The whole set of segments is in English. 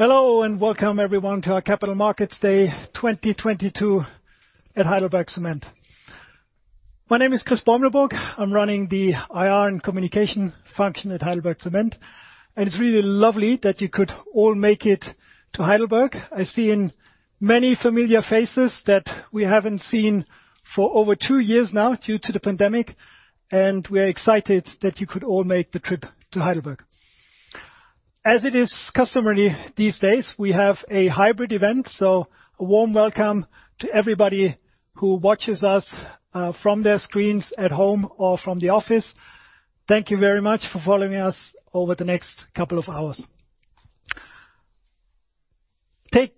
Hello, and welcome everyone to our Capital Markets Day 2022 at Heidelberg Materials. My name is Christoph Beumelburg. I'm running the IR and communication function at Heidelberg Materials, and it's really lovely that you could all make it to Heidelberg. I've seen many familiar faces that we haven't seen for over two years now due to the pandemic, and we're excited that you could all make the trip to Heidelberg. As it is customary these days, we have a hybrid event, so a warm welcome to everybody who watches us from their screens at home or from the office. Thank you very much for following us over the next couple of hours. Take,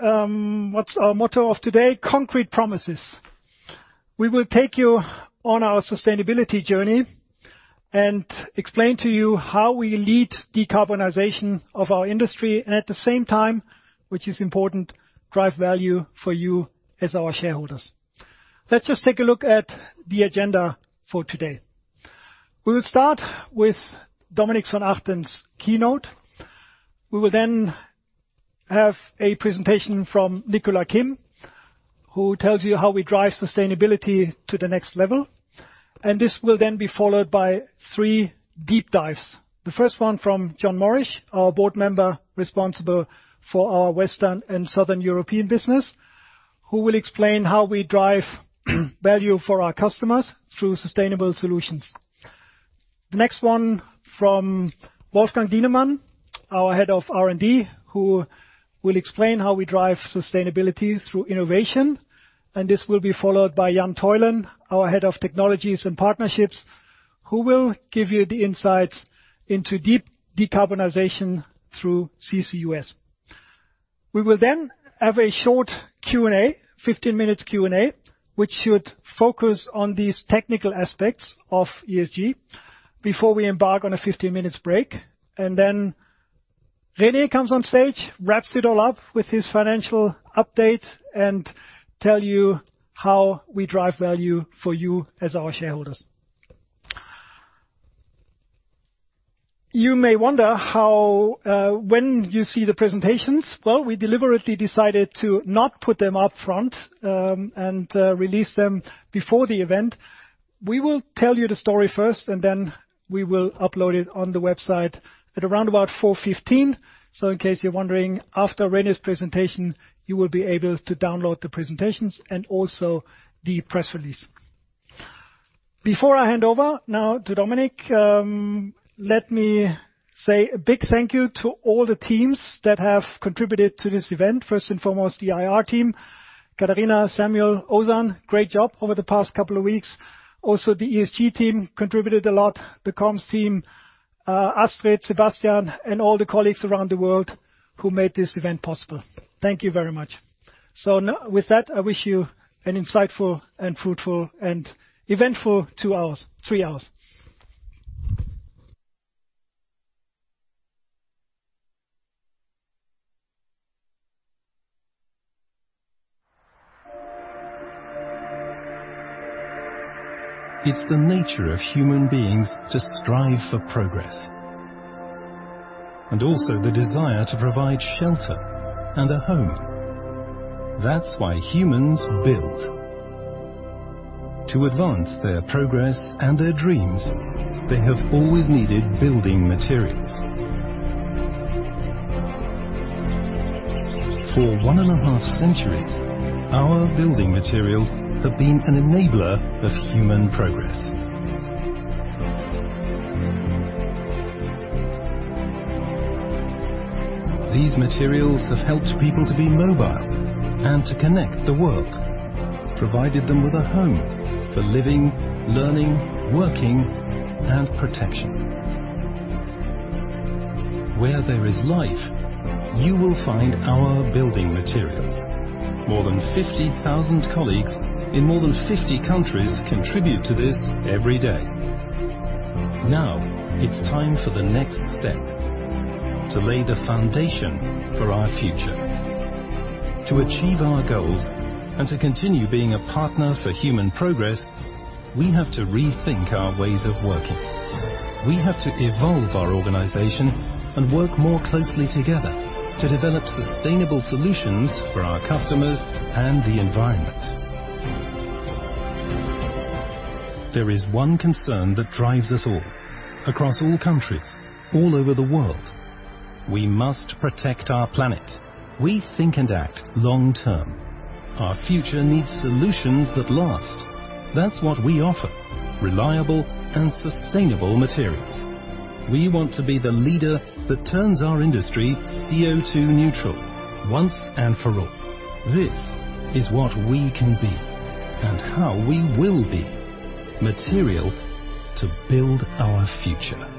what's our motto of today, concrete promises. We will take you on our sustainability journey and explain to you how we lead decarbonization of our industry, and at the same time, which is important, drive value for you as our shareholders. Let's just take a look at the agenda for today. We will start with Dominik von Achten's keynote. We will then have a presentation from Nicola Kimm, who tells you how we drive sustainability to the next level, and this will then be followed by three deep dives. The first one from Jon Morrish, our Board Member responsible for our Western and Southern European business, who will explain how we drive value for our customers through sustainable solutions. The next one from Wolfgang Dienemann, our Head of R&D, who will explain how we drive sustainability through innovation, and this will be followed by Jan Theulen, our Head of Technologies and Partnerships, who will give you the insights into deep decarbonization through CCUS. We will then have a short Q&A, 15 minutes Q&A, which should focus on these technical aspects of ESG before we embark on a 15 minutes break. Then René comes on stage, wraps it all up with his financial update, and tell you how we drive value for you as our shareholders. You may wonder how, when you see the presentations. Well, we deliberately decided to not put them up front, and release them before the event. We will tell you the story first, and then we will upload it on the website at around about 4:15. In case you're wondering, after René's presentation, you will be able to download the presentations and also the press release. Before I hand over now to Dominik, let me say a big thank you to all the teams that have contributed to this event. First and foremost, the IR team, Katharina, Samuel, Ozan, great job over the past couple of weeks. Also, the ESG team contributed a lot, the comms team, Astrid, Sebastian, and all the colleagues around the world who made this event possible. Thank you very much. Now with that, I wish you an insightful and fruitful and eventful two hours, three hours. It's the nature of human beings to strive for progress, and also the desire to provide shelter and a home. That's why humans build. To advance their progress and their dreams, they have always needed building materials. For 1.5 centuries, our building materials have been an enabler of human progress. These materials have helped people to be mobile and to connect the world, provided them with a home for living, learning, working, and protection. Where there is life, you will find our building materials. More than 50,000 colleagues in more than 50 countries contribute to this every day. Now it's time for the next step, to lay the foundation for our future. To achieve our goals and to continue being a partner for human progress, we have to rethink our ways of working. We have to evolve our organization and work more closely together to develop sustainable solutions for our customers and the environment. There is one concern that drives us all, across all countries, all over the world. We must protect our planet. We think and act long-term. Our future needs solutions that last. That's what we offer, reliable and sustainable materials. We want to be the leader that turns our industry CO2 neutral once and for all. This is what we can be and how we will be material to build our future.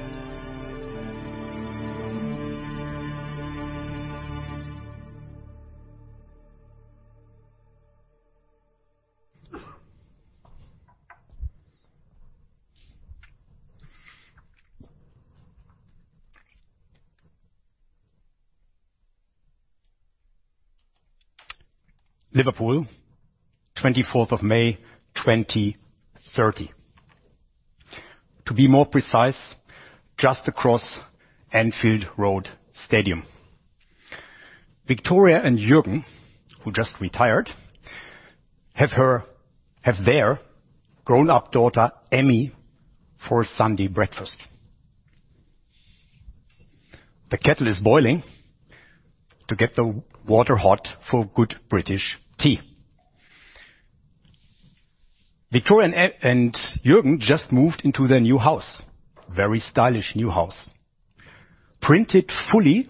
Liverpool, 24th of May, 2030. To be more precise, just across Anfield Road Stadium. Victoria and Jürgen, who just retired, have their grown-up daughter, Emmy, for Sunday breakfast. The kettle is boiling to get the water hot for good British tea. Victoria and Jürgen just moved into their new house, very stylish new house, printed fully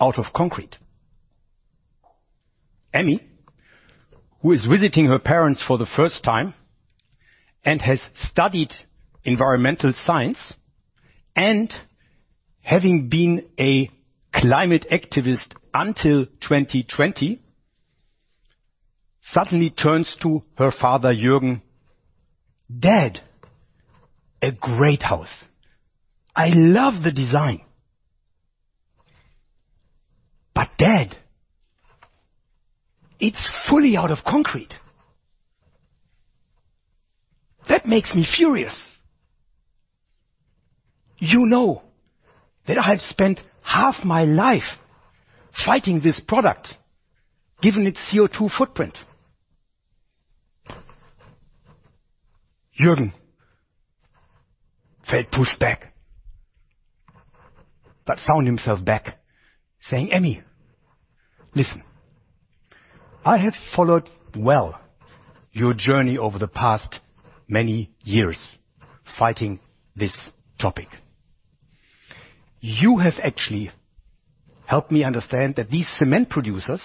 out of concrete. Emmy, who is visiting her parents for the first time and has studied environmental science and having been a climate activist until 2020, suddenly turns to her father, Jürgen, "Dad, a great house. I love the design. But Dad, it's fully out of concrete. That makes me furious. You know that I've spent half my life fighting this product, given its CO2 footprint." Jürgen felt pushed back, but found himself back, saying, "Emmy, listen. I have followed well your journey over the past many years fighting this topic. You have actually helped me understand that these cement producers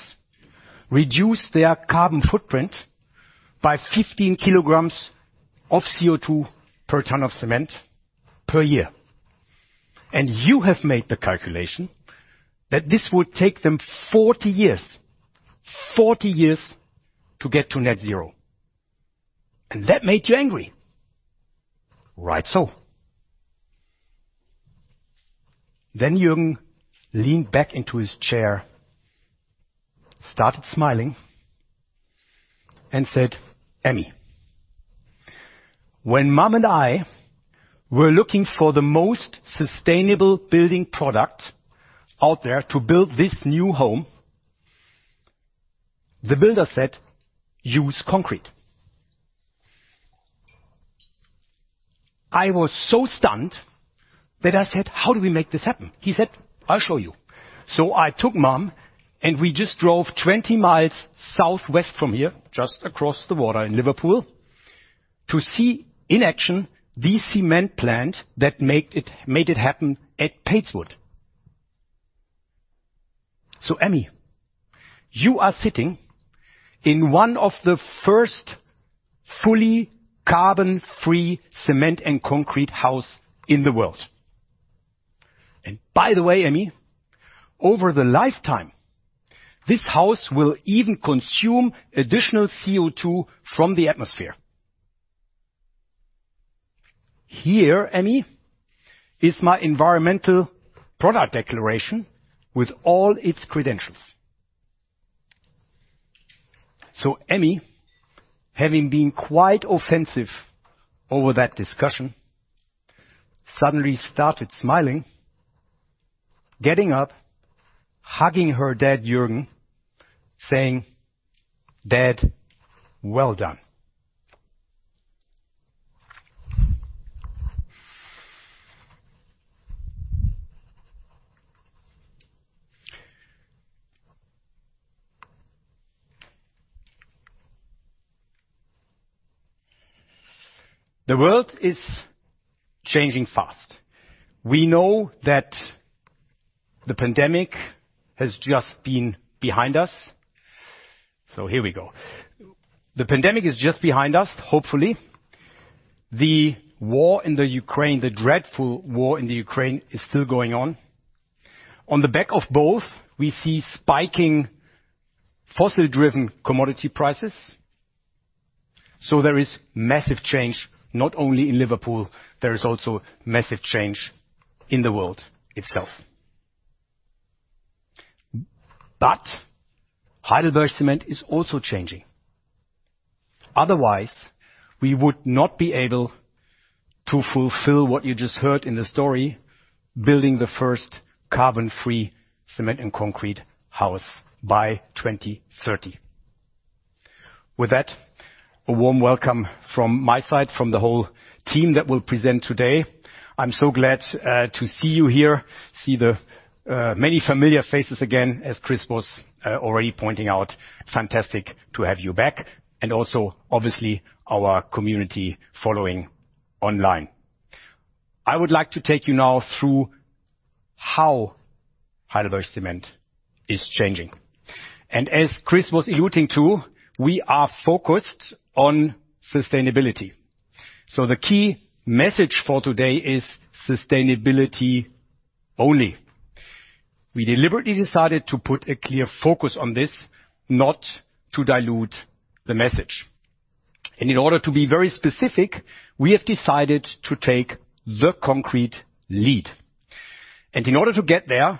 reduce their carbon footprint by 15 kg of CO2 per ton of cement per year. You have made the calculation that this would take them 40 years. 40 years to get to net zero. That made you angry. Right so." Jürgen leaned back into his chair, started smiling, and said, "Emmy, when Mom and I were looking for the most sustainable building product out there to build this new home, the builder said, 'Use concrete.' I was so stunned that I said, 'How do we make this happen?' He said, 'I'll show you.' I took Mom, and we just drove 20 miles southwest from here, just across the water in Liverpool, to see in action the cement plant that made it happen at Padeswood. Emmy, you are sitting in one of the first fully carbon-free cement and concrete house in the world. By the way, Emmy, over the lifetime, this house will even consume additional CO2 from the atmosphere. Here, Emmy, is my Environmental Product Declaration with all its credentials. Emmy, having been quite offensive over that discussion, suddenly started smiling, getting up, hugging her dad, Jürgen, saying, "Dad, well done." The world is changing fast. We know that the pandemic has just been behind us, so here we go. The pandemic is just behind us, hopefully. The war in the Ukraine, the dreadful war in the Ukraine is still going on. On the back of both, we see spiking fossil-driven commodity prices. There is massive change, not only in Liverpool, there is also massive change in the world itself. Heidelberg Materials is also changing. Otherwise, we would not be able to fulfill what you just heard in the story, building the first carbon-free cement and concrete house by 2030. With that, a warm welcome from my side, from the whole team that will present today. I'm so glad to see you here, see the many familiar faces again, as Chris was already pointing out. Fantastic to have you back, and also, obviously, our community following online. I would like to take you now through how HeidelbergCement is changing. As Chris was alluding to, we are focused on sustainability. The key message for today is sustainability only. We deliberately decided to put a clear focus on this, not to dilute the message. In order to be very specific, we have decided to take the concrete lead. In order to get there,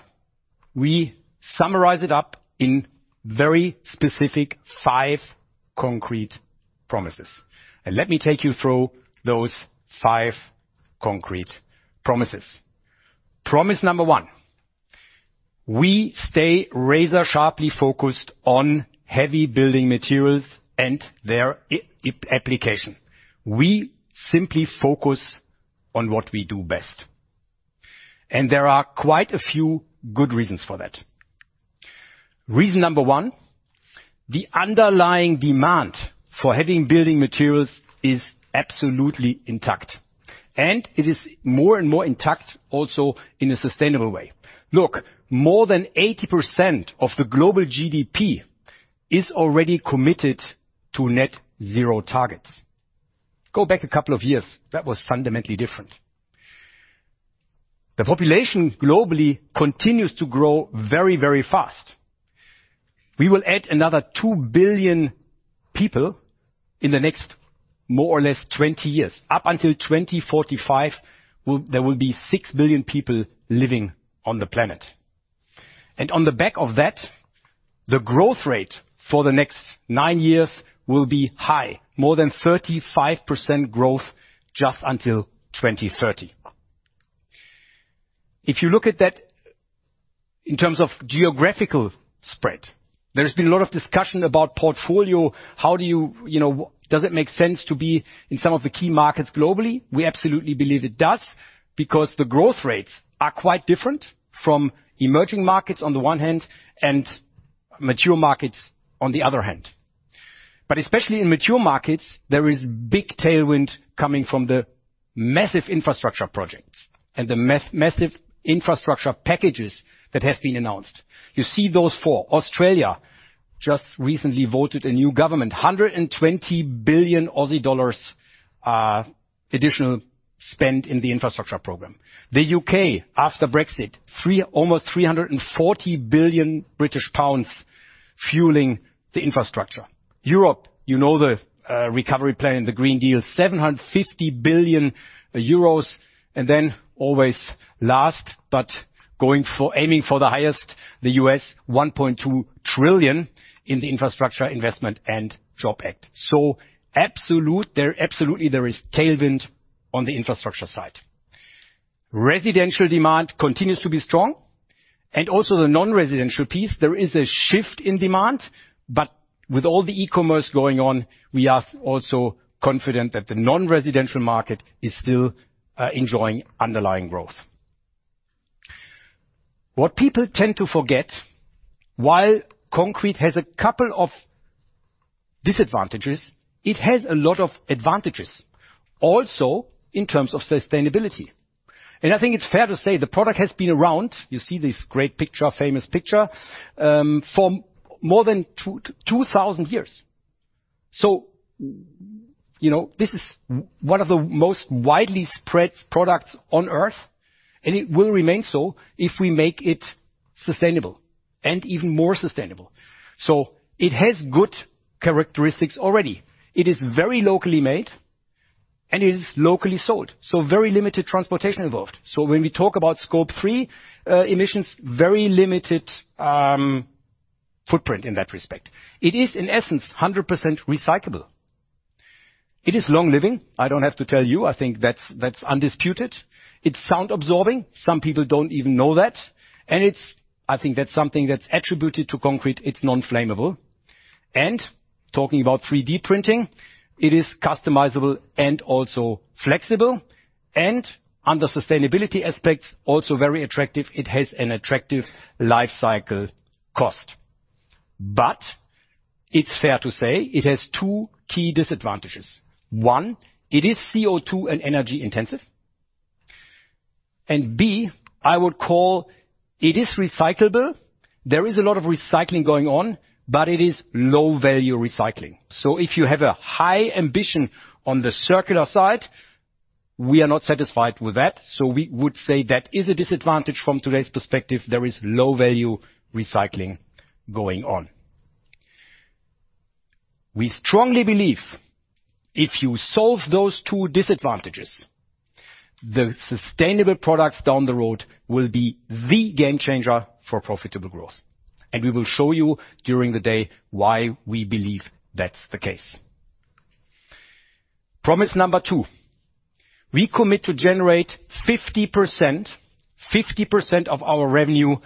we summarize it up in very specific five concrete promises, and let me take you through those five concrete promises. Promise number one, we stay razor sharply focused on heavy building materials and their application. We simply focus on what we do best, and there are quite a few good reasons for that. Reason number one, the underlying demand for heavy building materials is absolutely intact, and it is more and more intact also in a sustainable way. Look, more than 80% of the global GDP is already committed to net zero targets. Go back a couple of years, that was fundamentally different. The population globally continues to grow very, very fast. We will add another 2 billion people in the next more or less 20 years. Up until 2045, there will be 6 billion people living on the planet. On the back of that, the growth rate for the next nine years will be high, more than 35% growth just until 2030. If you look at that in terms of geographical spread, there's been a lot of discussion about portfolio. How do you know, does it make sense to be in some of the key markets globally? We absolutely believe it does because the growth rates are quite different from emerging markets on the one hand and mature markets on the other hand. But especially in mature markets, there is big tailwind coming from the massive infrastructure projects and the massive infrastructure packages that have been announced. You see those four. Australia just recently voted a new government. 120 billion Aussie dollars additional spend in the infrastructure program. The U.K. after Brexit, almost 340 billion British pounds fueling the infrastructure. Europe, you know the, recovery plan and the Green Deal, 750 billion euros. Always last, but aiming for the highest, the US $1.2 trillion in the Infrastructure Investment and Jobs Act. Absolutely, there is tailwind on the infrastructure side. Residential demand continues to be strong, and also the non-residential piece, there is a shift in demand. With all the eCommerce going on, we are also confident that the non-residential market is still enjoying underlying growth. What people tend to forget, while concrete has a couple of disadvantages, it has a lot of advantages also in terms of sustainability. I think it's fair to say the product has been around. You see this great picture, famous picture, for more than 2000 years. You know, this is one of the most widely spread products on Earth, and it will remain so if we make it sustainable and even more sustainable. It has good characteristics already. It is very locally made, and it is locally sold, so very limited transportation involved. When we talk about Scope 3 emissions, very limited footprint in that respect. It is in essence 100% recyclable. It is long living. I don't have to tell you. I think that's undisputed. It's sound absorbing. Some people don't even know that. I think that's something that's attributed to concrete. It's non-flammable. Talking about 3D printing, it is customizable and also flexible, and under sustainability aspects, also very attractive. It has an attractive life cycle cost. It's fair to say it has two key disadvantages. One, it is CO2 and energy intensive, and two, I would call it is recyclable. There is a lot of recycling going on, but it is low value recycling. If you have a high ambition on the circular side, we are not satisfied with that. We would say that is a disadvantage from today's perspective. There is low value recycling going on. We strongly believe if you solve those two disadvantages, the sustainable products down the road will be the game changer for profitable growth. We will show you during the day why we believe that's the case. Promise number two, we commit to generate 50%, 50% of our revenue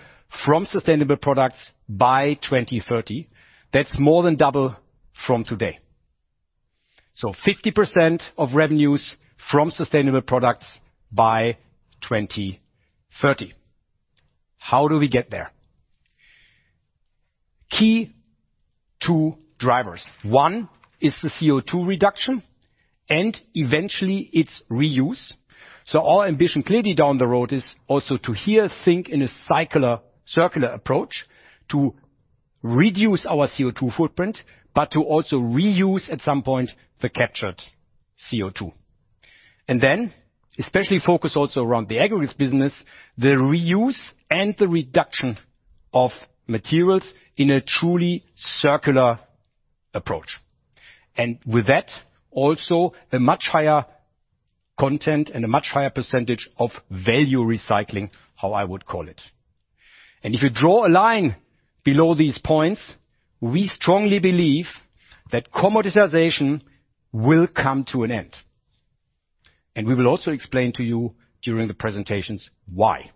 from sustainable products by 2030. That's more than double from today. 50% of revenues from sustainable products by 2030. How do we get there? Key 2 drivers. One is the CO2 reduction, and eventually it's reuse. Our ambition clearly down the road is also to rethink in a circular approach to reduce our CO2 footprint, but to also reuse at some point the captured CO2. Then, especially focused also around the aggregates business, the reuse and the reduction of materials in a truly circular approach. With that, also a much higher content and a much higher percentage of value recycling, how I would call it. If you draw a line below these points, we strongly believe that commoditization will come to an end. We will also explain to you during the presentations why.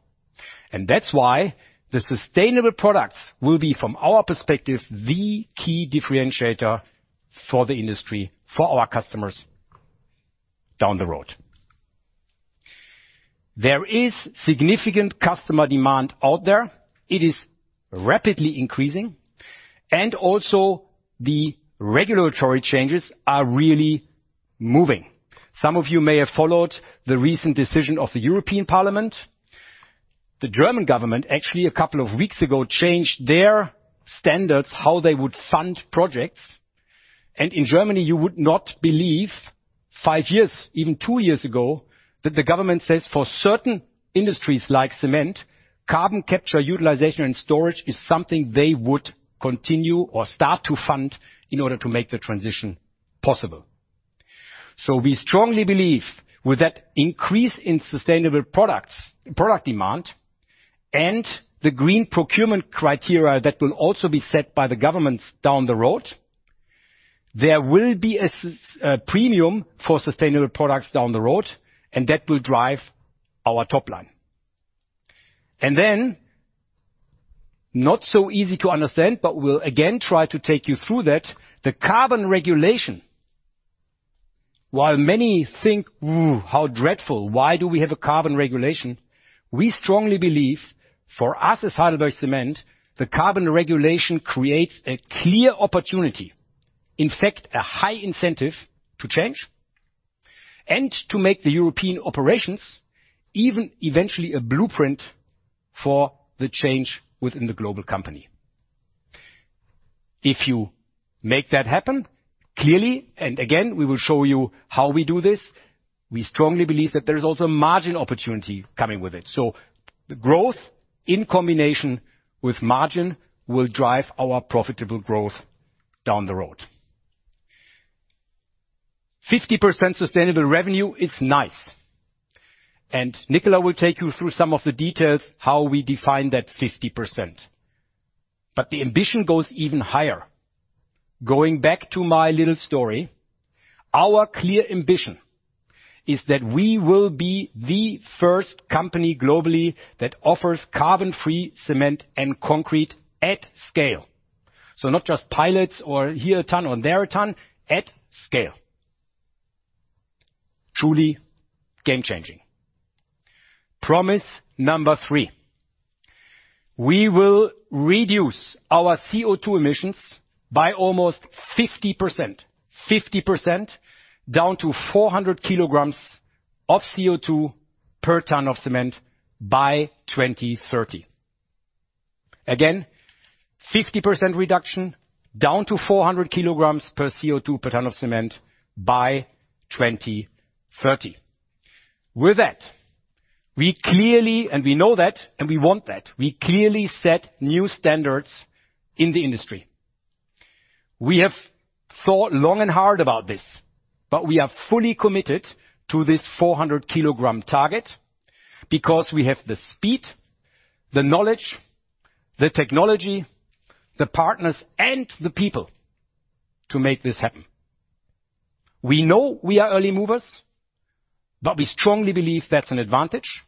That's why the sustainable products will be, from our perspective, the key differentiator for the industry, for our customers down the road. There is significant customer demand out there. It is rapidly increasing, and also the regulatory changes are really moving. Some of you may have followed the recent decision of the European Parliament. The German government, actually, a couple of weeks ago, changed their standards, how they would fund projects. In Germany, you would not believe five years, even two years ago, that the government says for certain industries like cement, carbon capture utilization and storage is something they would continue or start to fund in order to make the transition possible. We strongly believe with that increase in sustainable product demand and the green procurement criteria that will also be set by the governments down the road, there will be a premium for sustainable products down the road, and that will drive our top line. Not so easy to understand, but we'll again try to take you through that, the carbon regulation. While many think, "Ooh, how dreadful. Why do we have a carbon regulation?" We strongly believe for us as HeidelbergCement, the carbon regulation creates a clear opportunity, in fact, a high incentive to change and to make the European operations even eventually a blueprint for the change within the global company. If you make that happen, clearly, and again, we will show you how we do this, we strongly believe that there is also margin opportunity coming with it. The growth in combination with margin will drive our profitable growth down the road. 50% sustainable revenue is nice, and Nicola will take you through some of the details how we define that 50%. The ambition goes even higher. Going back to my little story, our clear ambition is that we will be the first company globally that offers carbon-free cement and concrete at scale. Not just pilots or here a ton or there a ton, at scale. Truly game-changing. Promise number three, we will reduce our CO2 emissions by almost 50%. 50% down to 400 kg of CO2 per ton of cement by 2030. Again, 50% reduction down to 400 kg of CO2 per ton of cement by 2030. With that, we clearly, and we know that, and we want that, we clearly set new standards in the industry. We have thought long and hard about this, but we are fully committed to this 400 kg target because we have the speed, the knowledge, the technology, the partners, and the people to make this happen. We know we are early movers, but we strongly believe that's an advantage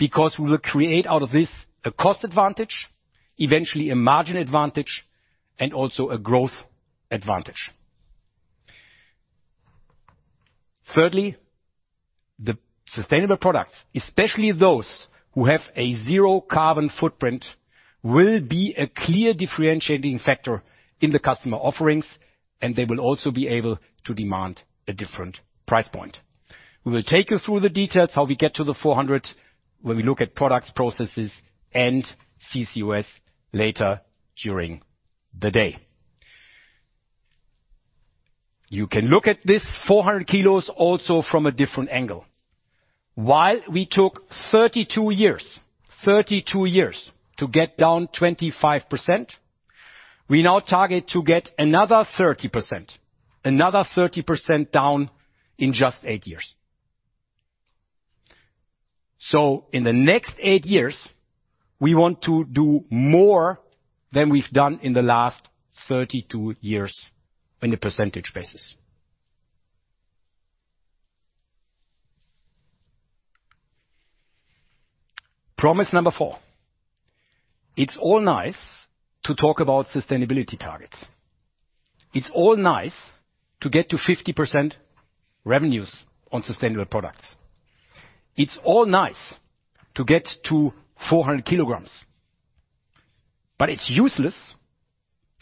because we will create out of this a cost advantage, eventually a margin advantage, and also a growth advantage. Thirdly, the sustainable products, especially those who have a zero carbon footprint, will be a clear differentiating factor in the customer offerings, and they will also be able to demand a different price point. We will take you through the details how we get to the 400 when we look at products, processes, and CCUS later during the day. You can look at this 400 kg also from a different angle. While we took 32 years to get down 25%, we now target to get another 30% down in just 8 years. In the next 8 years, we want to do more than we've done in the last 32 years on a percentage basis. Promise number four, it's all nice to talk about sustainability targets. It's all nice to get to 50% revenues on sustainable products. It's all nice to get to 400 kg, but it's useless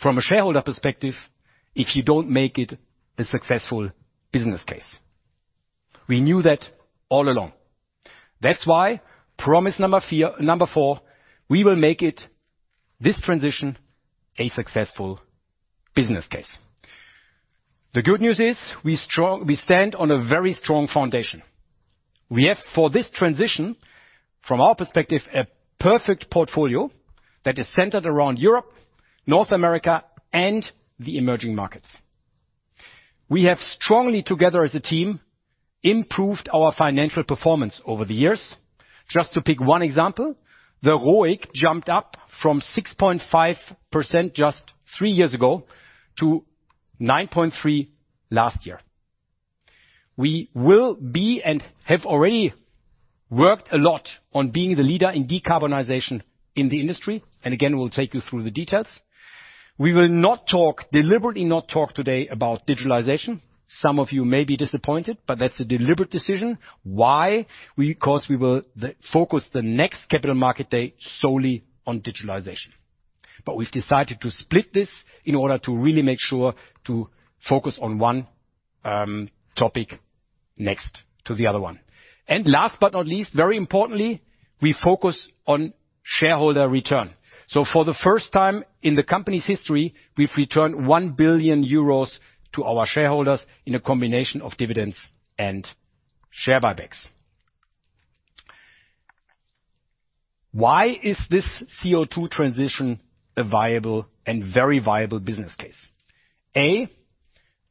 from a shareholder perspective if you don't make it a successful business case. We knew that all along. That's why promise number four, we will make it, this transition, a successful business case. The good news is we stand on a very strong foundation. We have, for this transition, from our perspective, a perfect portfolio that is centered around Europe, North America, and the emerging markets. We have strongly, together as a team, improved our financial performance over the years. Just to pick one example, the ROIC jumped up from 6.5% just three years ago to 9.3% last year. We will be, and have already worked a lot on being the leader in decarbonization in the industry, and again, we'll take you through the details. We will not talk, deliberately not talk today about digitalization. Some of you may be disappointed, but that's a deliberate decision. Why? Because we will focus the next Capital Market Day solely on digitalization. We've decided to split this in order to really make sure to focus on one topic next to the other one. Last but not least, very importantly, we focus on shareholder return. For the first time in the company's history, we've returned 1 billion euros to our shareholders in a combination of dividends and share buybacks. Why is this CO2 transition a viable and very viable business case A,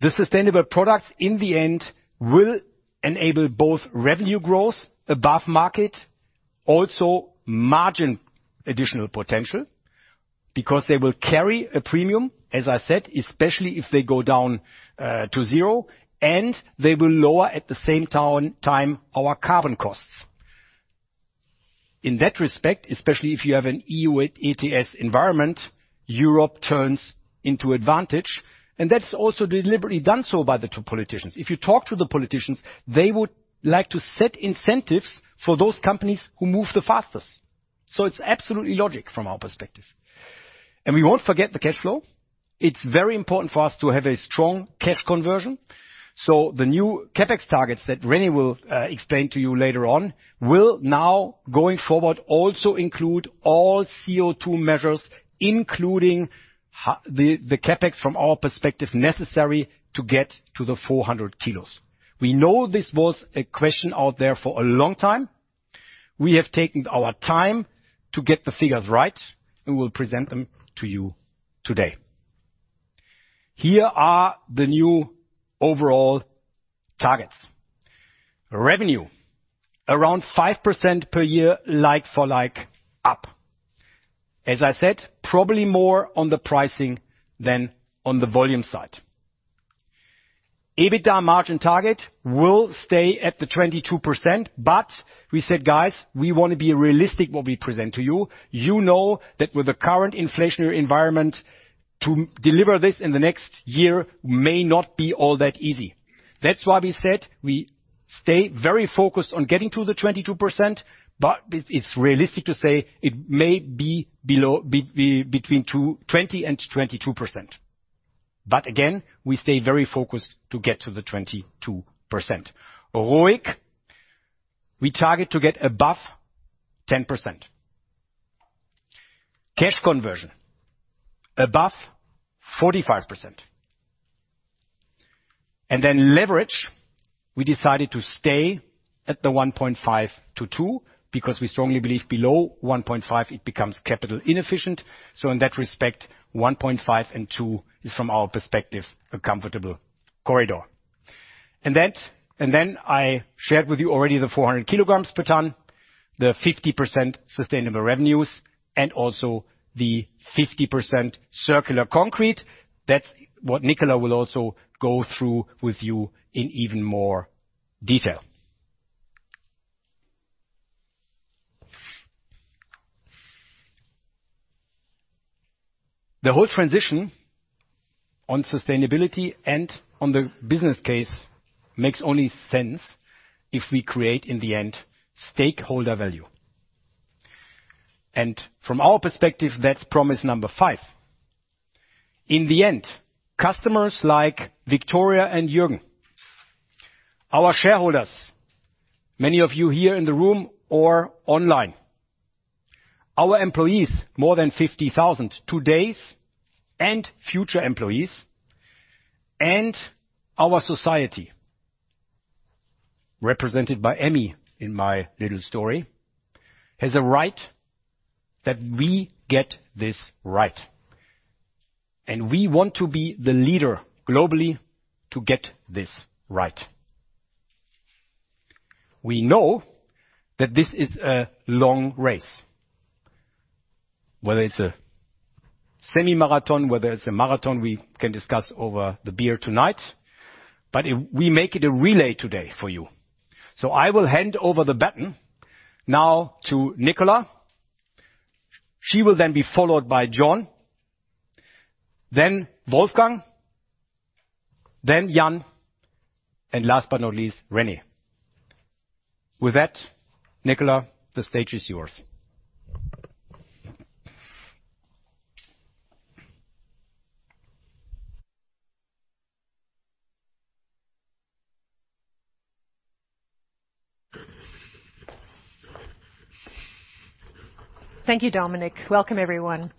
the sustainable products in the end will enable both revenue growth above market, also margin additional potential because they will carry a premium, as I said, especially if they go down to zero, and they will lower at the same time our carbon costs. In that respect, especially if you have an EU ETS environment, Europe turns into advantage, and that's also deliberately done so by the politicians. If you talk to the politicians, they would like to set incentives for those companies who move the fastest. It's absolutely logical from our perspective. We won't forget the cash flow. It's very important for us to have a strong cash conversion. The new CapEx targets that René will explain to you later on will now, going forward, also include all CO2 measures, including the CapEx from our perspective, necessary to get to the 400 kg. We know this was a question out there for a long time. We have taken our time to get the figures right, and we will present them to you today. Here are the new overall targets. Revenue, around 5% per year like for like up. As I said, probably more on the pricing than on the volume side. EBITDA margin target will stay at 22%, but we said, "Guys, we wanna be realistic what we present to you." You know that with the current inflationary environment to deliver this in the next year may not be all that easy. That's why we said we stay very focused on getting to the 22%, but it's realistic to say it may be below, between 20% and 22%. But again, we stay very focused to get to the 22%. ROIC, we target to get above 10%. Cash conversion, above 45%. Leverage, we decided to stay at the 1.5-2, because we strongly believe below 1.5, it becomes capital inefficient. In that respect, 1.5 and 2 is, from our perspective, a comfortable corridor. I shared with you already the 400 kg per ton, the 50% sustainable revenues, and also the 50% circular concrete. That's what Nicola will also go through with you in even more detail. The whole transition on sustainability and on the business case makes only sense if we create in the end stakeholder value. From our perspective, that's promise number five. In the end, customers like Victoria and Jürgen, our shareholders, many of you here in the room or online, our employees, more than 50,000 today and future employees, and our society, represented by Emmy in my little story, has a right that we get this right. We want to be the leader globally to get this right. We know that this is a long race. Whether it's a semi-marathon, whether it's a marathon, we can discuss over the beer tonight. We make it a relay today for you. I will hand over the baton now to Nicola. She will then be followed by Jon, then Wolfgang, then Jan, and last but not least, René. With that, Nicola, the stage is yours. Thank you, Dominik. Welcome, everyone.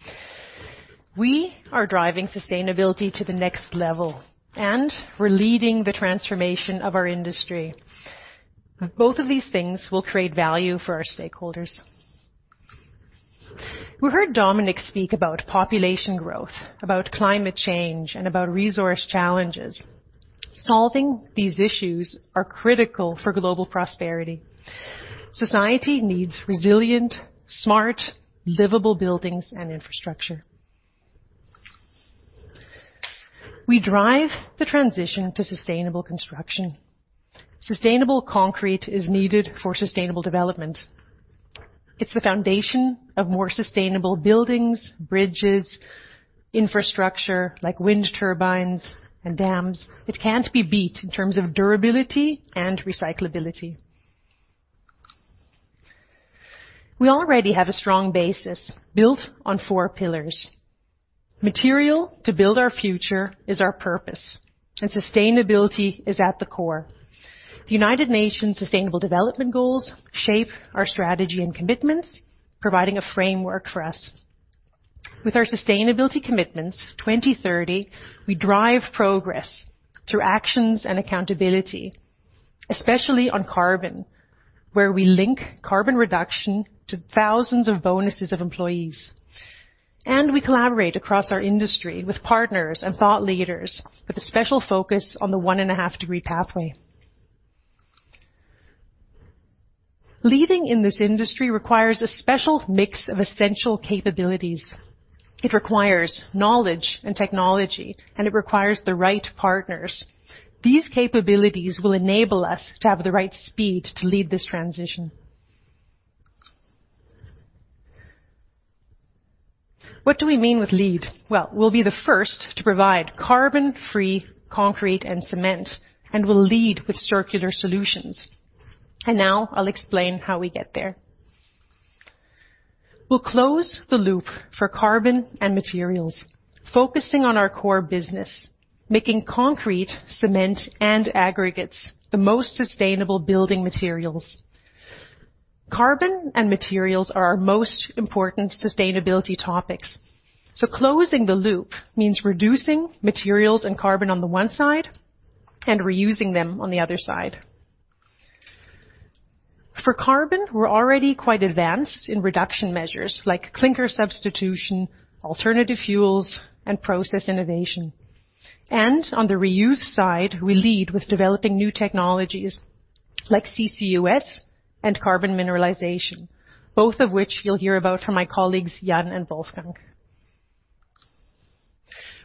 We are driving sustainability to the next level, and we're leading the transformation of our industry. Both of these things will create value for our stakeholders. We heard Dominik speak about population growth, about climate change, and about resource challenges. Solving these issues are critical for global prosperity. Society needs resilient, smart, livable buildings and infrastructure. We drive the transition to sustainable construction. Sustainable concrete is needed for sustainable development. It's the foundation of more sustainable buildings, bridges, infrastructure like wind turbines and dams. It can't be beat in terms of durability and recyclability. We already have a strong basis built on four pillars. Material to build our future is our purpose, and sustainability is at the core. The United Nations Sustainable Development Goals shape our strategy and commitments, providing a framework for us. With our sustainability commitments 2030, we drive progress through actions and accountability, especially on carbon, where we link carbon reduction to thousands of bonuses of employees. We collaborate across our industry with partners and thought leaders with a special focus on the 1.5-degree pathway. Leading in this industry requires a special mix of essential capabilities. It requires knowledge and technology, and it requires the right partners. These capabilities will enable us to have the right speed to lead this transition. What do we mean with lead? Well, we'll be the first to provide carbon-free concrete and cement, and we'll lead with circular solutions. Now I'll explain how we get there. We'll close the loop for carbon and materials, focusing on our core business, making concrete, cement and aggregates the most sustainable building materials. Carbon and materials are our most important sustainability topics. Closing the loop means reducing materials and carbon on the one side and reusing them on the other side. For carbon, we're already quite advanced in reduction measures like clinker substitution, alternative fuels, and process innovation. On the reuse side, we lead with developing new technologies like CCUS and carbon mineralization, both of which you'll hear about from my colleagues, Jan and Wolfgang.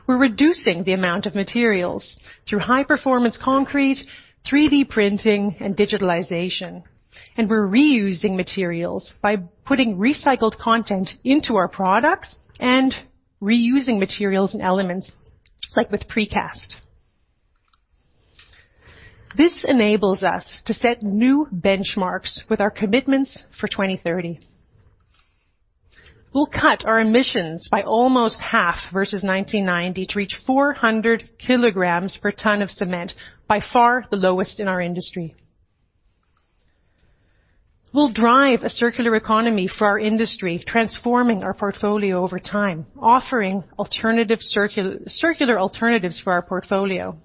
We're reducing the amount of materials through high-performance concrete, 3D printing, and digitalization. We're reusing materials by putting recycled content into our products and reusing materials and elements, like with precast. This enables us to set new benchmarks with our commitments for 2030. We'll cut our emissions by almost half versus 1990 to reach 400 kg per ton of cement, by far the lowest in our industry. We'll drive a circular economy for our industry, transforming our portfolio over time, offering alternative circular alternatives for our portfolio.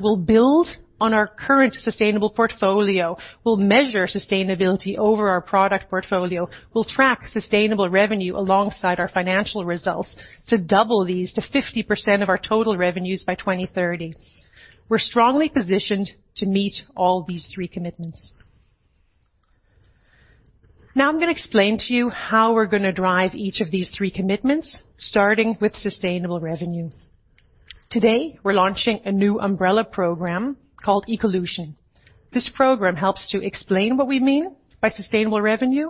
We'll build on our current sustainable portfolio. We'll measure sustainability over our product portfolio. We'll track sustainable revenue alongside our financial results to double these to 50% of our total revenues by 2030. We're strongly positioned to meet all these three commitments. Now I'm gonna explain to you how we're gonna drive each of these three commitments, starting with sustainable revenue. Today, we're launching a new umbrella program called evoBuild. This program helps to explain what we mean by sustainable revenue,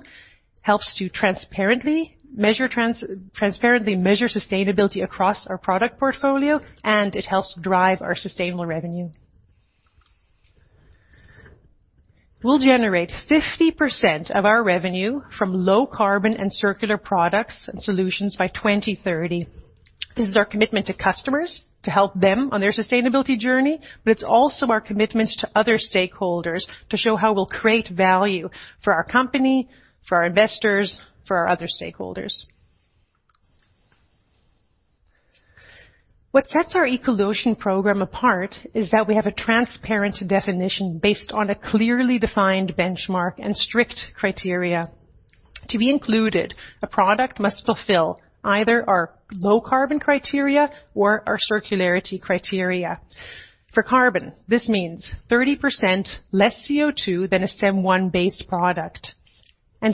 helps to transparently measure sustainability across our product portfolio, and it helps drive our sustainable revenue. We'll generate 50% of our revenue from low-carbon and circular products and solutions by 2030. This is our commitment to customers to help them on their sustainability journey, but it's also our commitment to other stakeholders to show how we'll create value for our company, for our investors, for our other stakeholders. What sets our evoBuild program apart is that we have a transparent definition based on a clearly defined benchmark and strict criteria. To be included, a product must fulfill either our low carbon criteria or our circularity criteria. For carbon, this means 30% less CO2 than a CEM I-based product.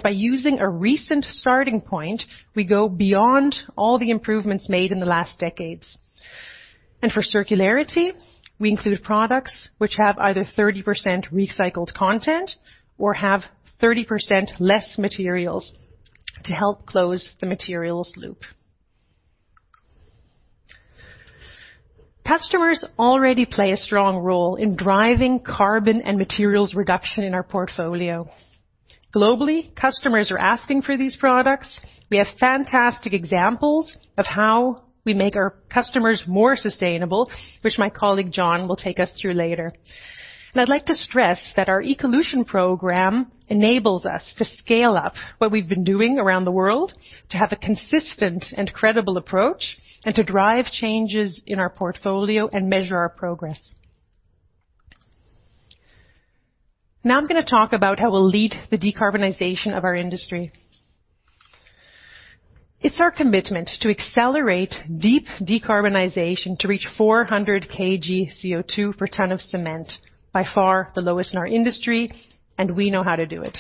By using a recent starting point, we go beyond all the improvements made in the last decades. For circularity, we include products which have either 30% recycled content or have 30% less materials to help close the materials loop. Customers already play a strong role in driving carbon and materials reduction in our portfolio. Globally, customers are asking for these products. We have fantastic examples of how we make our customers more sustainable, which my colleague, Jon, will take us through later. I'd like to stress that our ecolution program enables us to scale up what we've been doing around the world to have a consistent and credible approach, and to drive changes in our portfolio and measure our progress. Now I'm gonna talk about how we'll lead the decarbonization of our industry. It's our commitment to accelerate deep decarbonization to reach 400 kg CO2 per ton of cement, by far the lowest in our industry, and we know how to do it.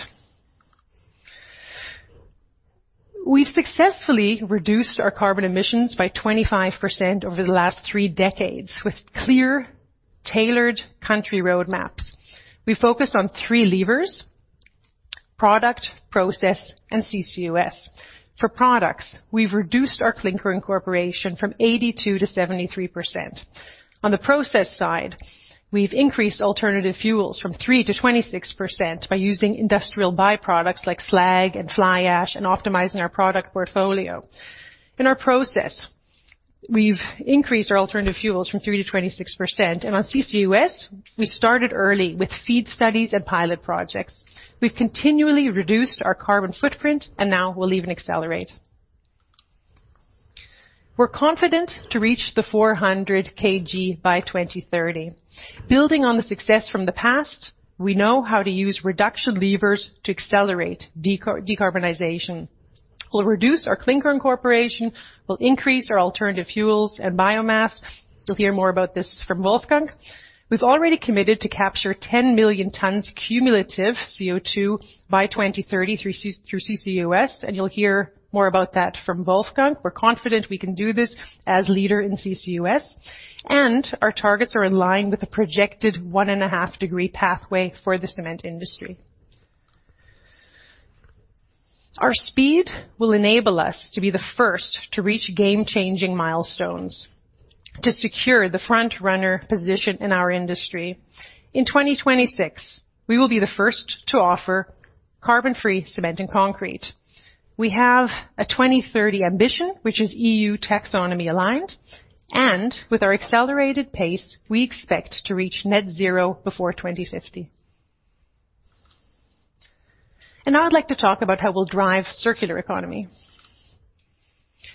We've successfully reduced our carbon emissions by 25% over the last three decades with clear, tailored country road maps. We focus on three levers, product, process, and CCUS. For products, we've reduced our clinker incorporation from 82% to 73%. On the process side, we've increased alternative fuels from 3% to 26% by using industrial byproducts like slag and fly ash and optimizing our product portfolio. In our process, we've increased our alternative fuels from 3% to 26%. On CCUS, we started early with feasibility studies and pilot projects. We've continually reduced our carbon footprint, and now we'll even accelerate. We're confident to reach the 400 kg by 2030. Building on the success from the past, we know how to use reduction levers to accelerate decarbonization. We'll reduce our clinker incorporation. We'll increase our alternative fuels and biomass. You'll hear more about this from Wolfgang. We've already committed to capture 10 million tons cumulative CO2 by 2030 through CCUS, and you'll hear more about that from Wolfgang. We're confident we can do this as leader in CCUS, and our targets are in line with the projected 1.5-degree pathway for the cement industry. Our speed will enable us to be the first to reach game-changing milestones to secure the front-runner position in our industry. In 2026, we will be the first to offer carbon-free cement and concrete. We have a 2030 ambition, which is EU taxonomy-aligned. With our accelerated pace, we expect to reach net zero before 2050. Now I'd like to talk about how we'll drive circular economy.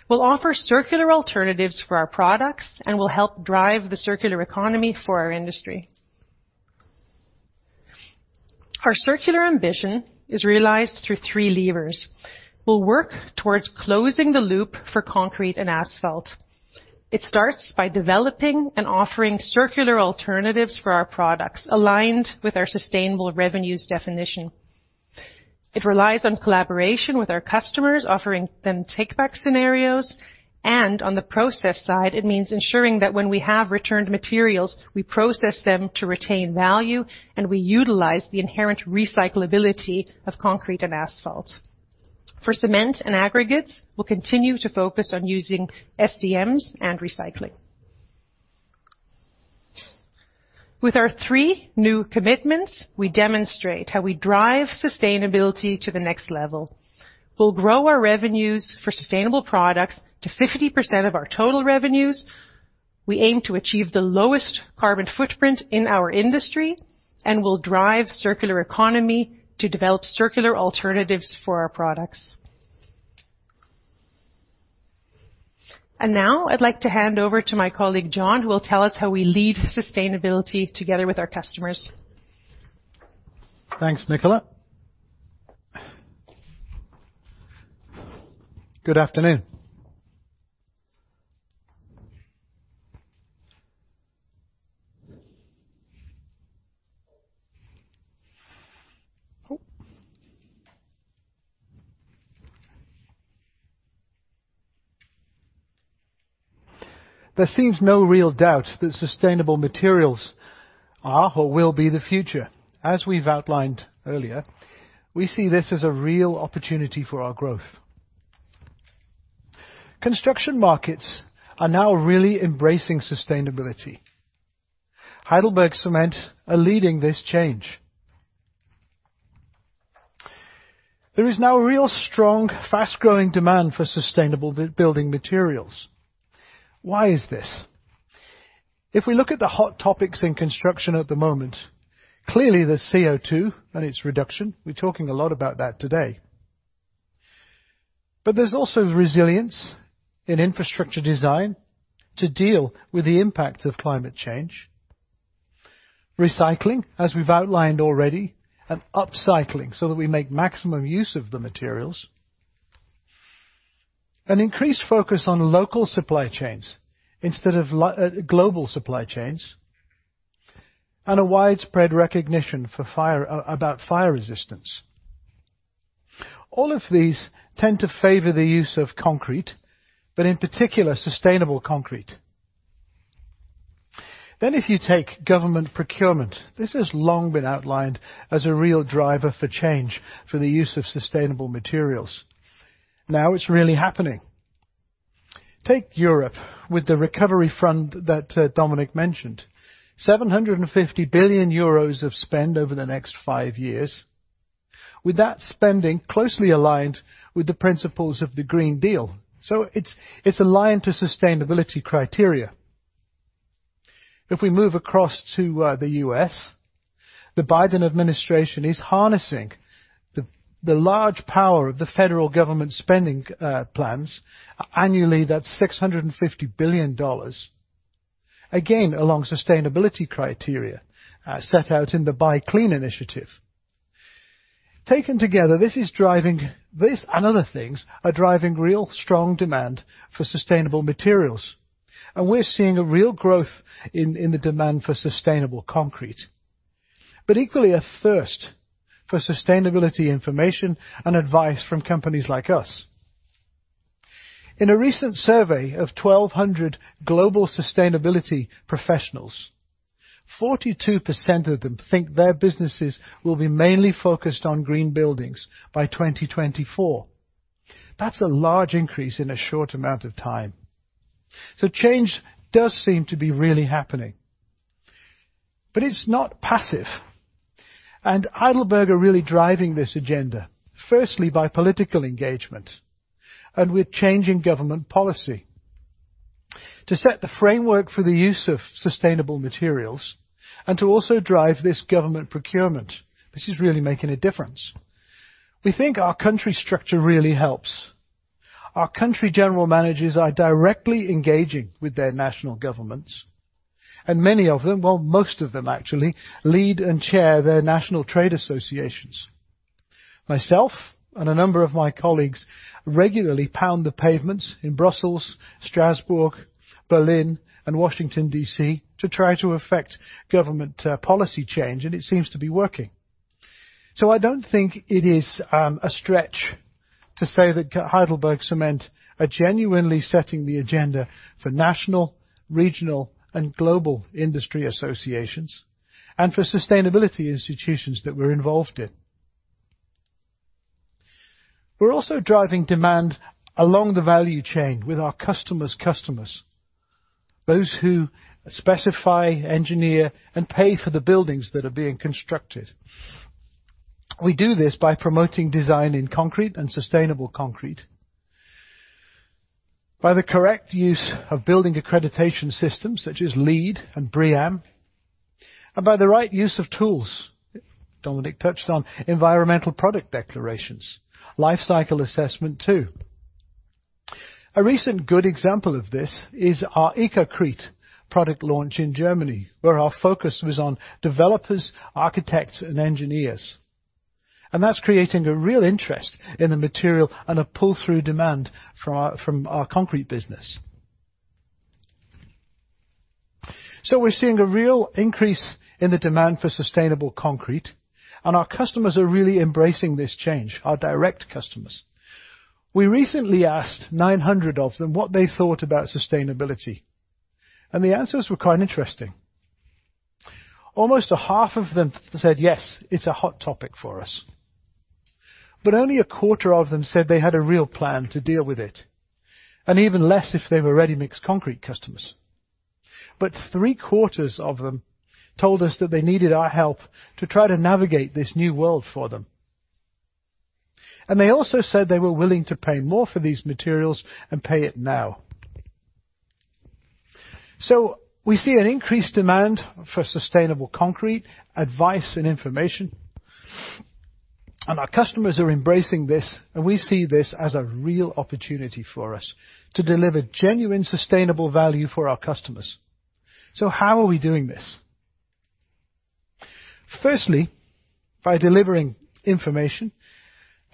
We'll offer circular alternatives for our products, and we'll help drive the circular economy for our industry. Our circular ambition is realized through three levers. We'll work towards closing the loop for concrete and asphalt. It starts by developing and offering circular alternatives for our products, aligned with our sustainable revenues definition. It relies on collaboration with our customers, offering them take-back scenarios. On the process side, it means ensuring that when we have returned materials, we process them to retain value, and we utilize the inherent recyclability of concrete and asphalt. For cement and aggregates, we'll continue to focus on using SCMs and recycling. With our three new commitments, we demonstrate how we drive sustainability to the next level. We'll grow our revenues for sustainable products to 50% of our total revenues. We aim to achieve the lowest carbon footprint in our industry, and we'll drive circular economy to develop circular alternatives for our products. Now I'd like to hand over to my colleague, Jon, who will tell us how we lead sustainability together with our customers. Thanks, Nicola. Good afternoon. There seems no real doubt that sustainable materials are or will be the future. As we've outlined earlier, we see this as a real opportunity for our growth. Construction markets are now really embracing sustainability. Heidelberg Materials are leading this change. There is now a real strong, fast-growing demand for sustainable building materials. Why is this? If we look at the hot topics in construction at the moment, clearly, there's CO2 and its reduction. We're talking a lot about that today. But there's also the resilience in infrastructure design to deal with the impacts of climate change. Recycling, as we've outlined already, and upcycling, so that we make maximum use of the materials. An increased focus on local supply chains instead of global supply chains, and a widespread recognition about fire resistance. All of these tend to favor the use of concrete, but in particular, sustainable concrete. If you take government procurement, this has long been outlined as a real driver for change for the use of sustainable materials. Now it's really happening. Take Europe with the recovery fund that, Dominik mentioned, 750 billion euros of spend over the next five years. With that spending closely aligned with the principles of the Green Deal, so it's aligned to sustainability criteria. If we move across to, the U.S., the Biden administration is harnessing the large power of the federal government spending plans. Annually, that's $650 billion. Again, along sustainability criteria, set out in the Buy Clean initiative. Taken together, this and other things are driving real strong demand for sustainable materials, and we're seeing a real growth in the demand for sustainable concrete. Equally a thirst for sustainability information and advice from companies like us. In a recent survey of 1,200 global sustainability professionals, 42% of them think their businesses will be mainly focused on green buildings by 2024. That's a large increase in a short amount of time. Change does seem to be really happening, but it's not passive. Heidelberg are really driving this agenda, firstly by political engagement and with changing government policy to set the framework for the use of sustainable materials and to also drive this government procurement. This is really making a difference. We think our country structure really helps. Our country general managers are directly engaging with their national governments, and many of them, well, most of them actually, lead and chair their national trade associations. Myself and a number of my colleagues regularly pound the pavements in Brussels, Strasbourg, Berlin, and Washington, D.C. to try to affect government policy change, and it seems to be working. I don't think it is a stretch to say that HeidelbergCement are genuinely setting the agenda for national, regional and global industry associations and for sustainability institutions that we're involved in. We're also driving demand along the value chain with our customers' customers, those who specify, engineer and pay for the buildings that are being constructed. We do this by promoting design in concrete and sustainable concrete, by the correct use of building accreditation systems such as LEED and BREEAM, and by the right use of tools. Dominik touched on Environmental Product Declarations, Life Cycle Assessment too. A recent good example of this is our EcoCrete product launch in Germany, where our focus was on developers, architects and engineers, and that's creating a real interest in the material and a pull-through demand from our concrete business. We're seeing a real increase in the demand for sustainable concrete, and our customers are really embracing this change, our direct customers. We recently asked 900 of them what they thought about sustainability, and the answers were quite interesting. Almost a half of them said, "Yes, it's a hot topic for us," but only a quarter of them said they had a real plan to deal with it, and even less if they were ready-mix concrete customers. But three-quarters of them told us that they needed our help to try to navigate this new world for them. They also said they were willing to pay more for these materials and pay it now. We see an increased demand for sustainable concrete, advice and information. Our customers are embracing this, and we see this as a real opportunity for us to deliver genuine, sustainable value for our customers. How are we doing this? Firstly, by delivering information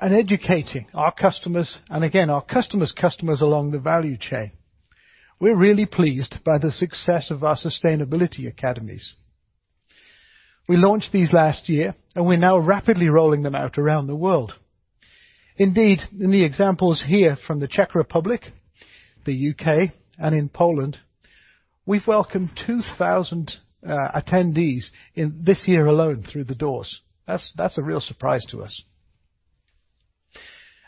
and educating our customers and again, our customers' customers along the value chain. We're really pleased by the success of our sustainability academies. We launched these last year, and we're now rapidly rolling them out around the world. Indeed, in the examples here from the Czech Republic, the UK and in Poland, we've welcomed 2,000 attendees in this year alone through the doors. That's a real surprise to us.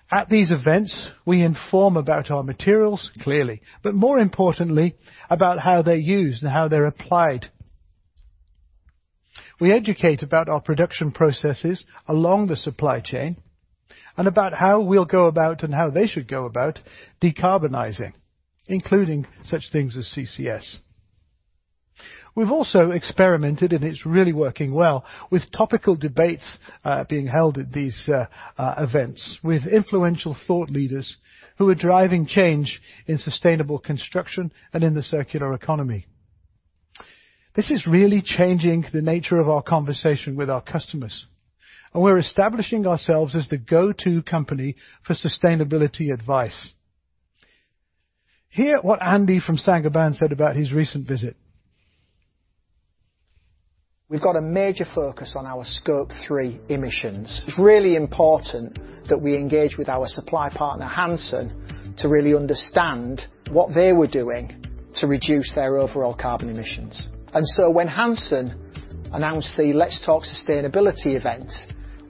At these events, we inform about our materials clearly, but more importantly about how they're used and how they're applied. We educate about our production processes along the supply chain and about how we'll go about and how they should go about decarbonizing, including such things as CCS. We've also experimented, and it's really working well with topical debates being held at these events with influential thought leaders who are driving change in sustainable construction and in the circular economy. This is really changing the nature of our conversation with our customers, and we're establishing ourselves as the go-to company for sustainability advice. Hear what Andy from Saint-Gobain said about his recent visit. We've got a major focus on our Scope 3 emissions. It's really important that we engage with our supply partner, Hanson, to really understand what they were doing to reduce their overall carbon emissions. When Hanson announced the Let's Talk Sustainability event,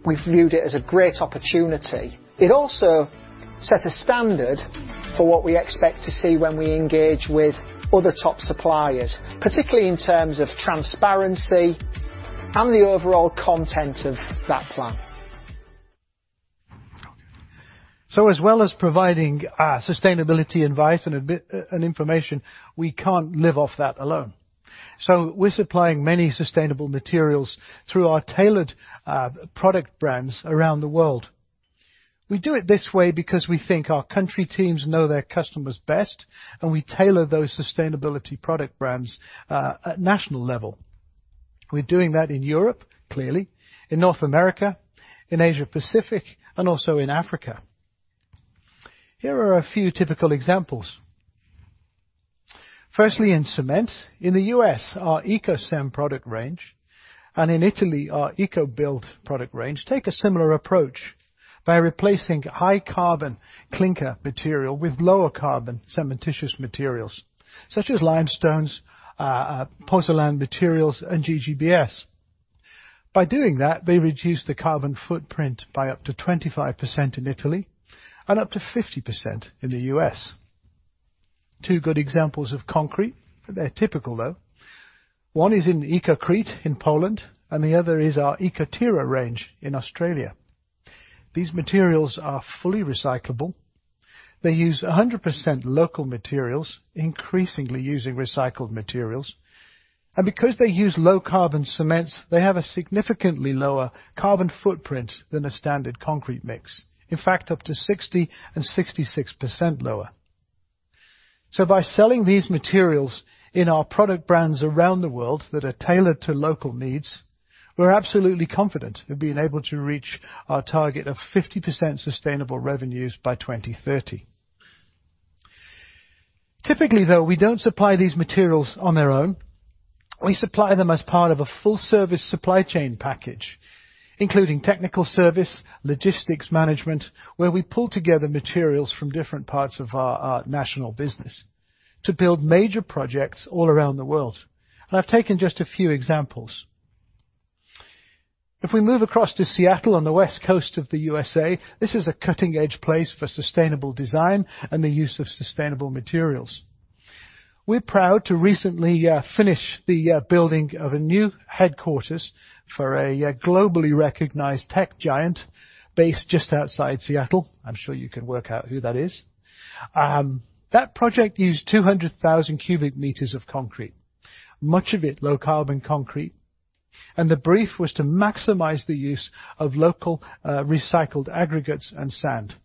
we viewed it as a great opportunity. It also set a standard for what we expect to see when we engage with other top suppliers, particularly in terms of transparency and the overall content of that plan. As well as providing sustainability advice and information, we can't live off that alone. We're supplying many sustainable materials through our tailored product brands around the world. We do it this way because we think our country teams know their customers best, and we tailor those sustainability product brands at national level. We're doing that in Europe, clearly, in North America, in Asia-Pacific, and also in Africa. Here are a few typical examples. Firstly, in cement. In the U.S., our EcoCem product range, and in Italy, our evoBuild product range, take a similar approach by replacing high-carbon clinker material with lower carbon cementitious materials such as limestones, pozzolan materials and GGBS. By doing that, they reduce the carbon footprint by up to 25% in Italy and up to 50% in the U.S.. Two good examples of concrete, but they're typical, though. One is in EcoCrete in Poland, and the other is our Ecotera range in Australia. These materials are fully recyclable. They use 100% local materials, increasingly using recycled materials. Because they use low-carbon cements, they have a significantly lower carbon footprint than a standard concrete mix. In fact, up to 60%-66% lower. By selling these materials in our product brands around the world that are tailored to local needs, we're absolutely confident of being able to reach our target of 50% sustainable revenues by 2030. Typically, though, we don't supply these materials on their own. We supply them as part of a full-service supply chain package, including technical service, logistics management, where we pull together materials from different parts of our national business to build major projects all around the world. I've taken just a few examples. If we move across to Seattle on the West Coast of the USA, this is a cutting-edge place for sustainable design and the use of sustainable materials. We're proud to recently finish the building of a new headquarters for a globally recognized tech giant based just outside Seattle. I'm sure you can work out who that is. That project used 200,000 m3 of concrete, much of it low-carbon concrete, and the brief was to maximize the use of local recycled aggregates and sand.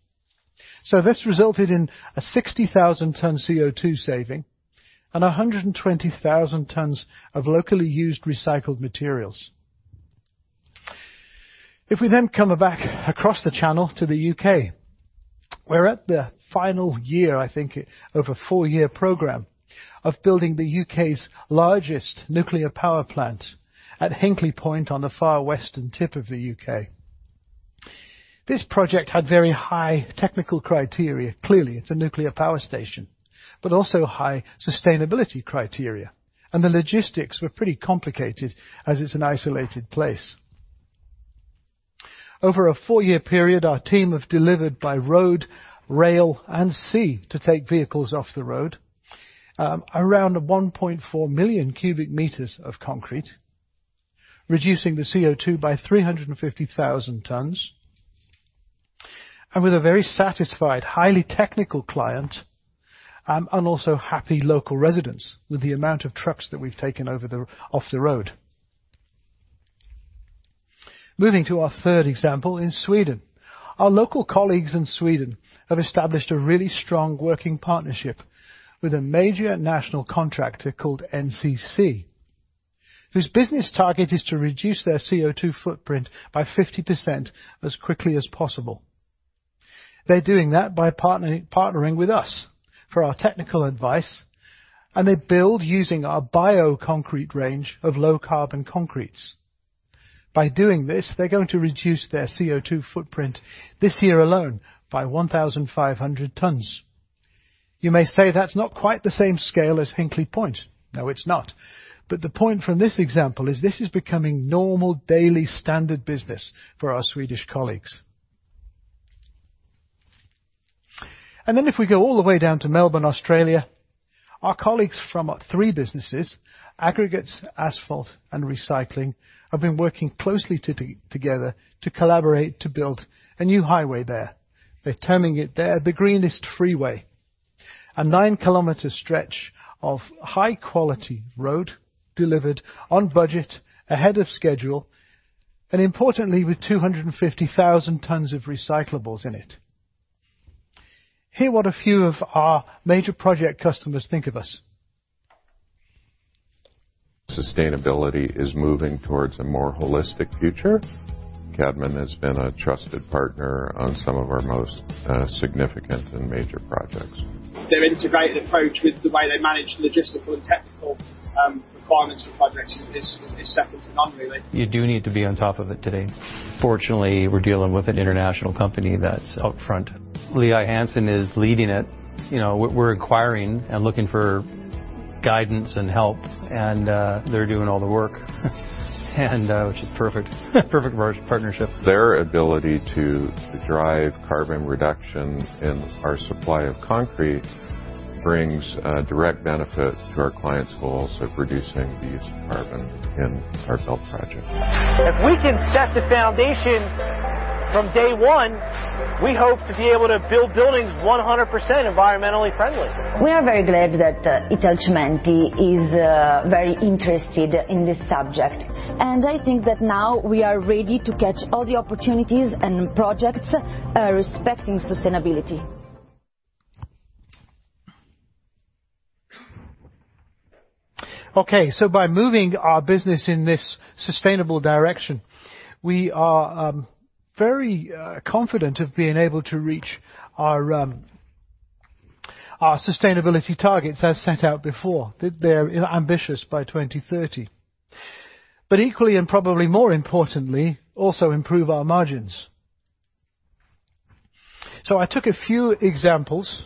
This resulted in a 60,000-ton CO2 saving and 120,000 tons of locally used recycled materials. If we then come back across the channel to the U.K., we're at the final year, I think, of a four-year program of building the U.K.'s largest nuclear power plant at Hinkley Point on the far western tip of the U.K. This project had very high technical criteria. Clearly, it's a nuclear power station, but also high sustainability criteria, and the logistics were pretty complicated as it's an isolated place. Over a four-year period, our team have delivered by road, rail, and sea to take vehicles off the road, around 1.4 million m3 of concrete, reducing the CO2 by 350,000 tons, and with a very satisfied highly technical client, and also happy local residents with the amount of trucks that we've taken off the road. Moving to our third example in Sweden. Our local colleagues in Sweden have established a really strong working partnership with a major national contractor called NCC, whose business target is to reduce their CO2 footprint by 50% as quickly as possible. They're doing that by partnering with us for our technical advice, and they build using our Bioconcrete range of low-carbon concretes. By doing this, they're going to reduce their CO2 footprint this year alone by 1,500 tons. You may say that's not quite the same scale as Hinkley Point. No, it's not. But the point from this example is this is becoming normal daily standard business for our Swedish colleagues. Then if we go all the way down to Melbourne, Australia, our colleagues from three businesses, Aggregates, Asphalt, and Recycling, have been working closely together to collaborate to build a new highway there. They're terming it the greenest freeway, a 9 km stretch of high-quality road delivered on budget ahead of schedule and importantly with 250,000 tons of recyclables in it. Hear what a few of our major project customers think of us. Sustainability is moving towards a more holistic future. Cadman has been a trusted partner on some of our most significant and major projects. Their integrated approach with the way they manage logistical and technical requirements for projects is second to none really. You do need to be on top of it today. Fortunately, we're dealing with an international company that's up front. Lehigh Hanson is leading it. You know, we're acquiring and looking for guidance and help, and they're doing all the work, and which is perfect. Perfect partnership. Their ability to drive carbon reduction in our supply of concrete brings direct benefit to our clients' goals of reducing the use of carbon in our build project. If we can set the foundation from day one, we hope to be able to build buildings 100% environmentally friendly. We are very glad that Italcementi is very interested in this subject, and I think that now we are ready to catch all the opportunities and projects respecting sustainability. Okay. By moving our business in this sustainable direction, we are very confident of being able to reach our sustainability targets as set out before. They're ambitious by 2030. Equally and probably more importantly, also improve our margins. I took a few examples,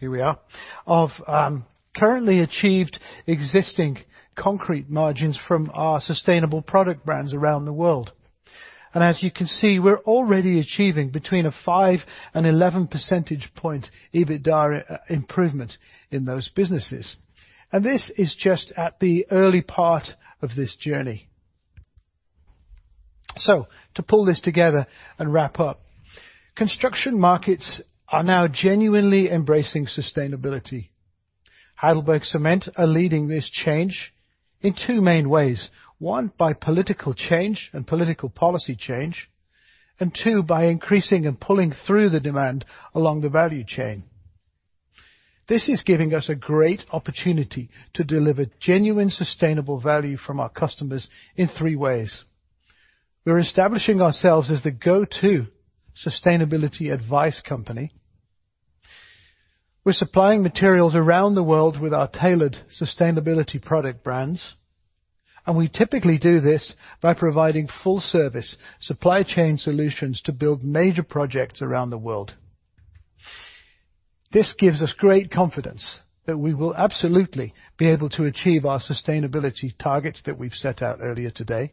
here we are, of currently achieved existing concrete margins from our sustainable product brands around the world. As you can see, we're already achieving between a 5 and 11 percentage point EBITDA improvement in those businesses. This is just at the early part of this journey. To pull this together and wrap up, construction markets are now genuinely embracing sustainability. HeidelbergCement are leading this change in two main ways. One, by political change and political policy change, and two, by increasing and pulling through the demand along the value chain. This is giving us a great opportunity to deliver genuine sustainable value from our customers in three ways. We're establishing ourselves as the go-to sustainability advice company. We're supplying materials around the world with our tailored sustainability product brands, and we typically do this by providing full service supply chain solutions to build major projects around the world. This gives us great confidence that we will absolutely be able to achieve our sustainability targets that we've set out earlier today.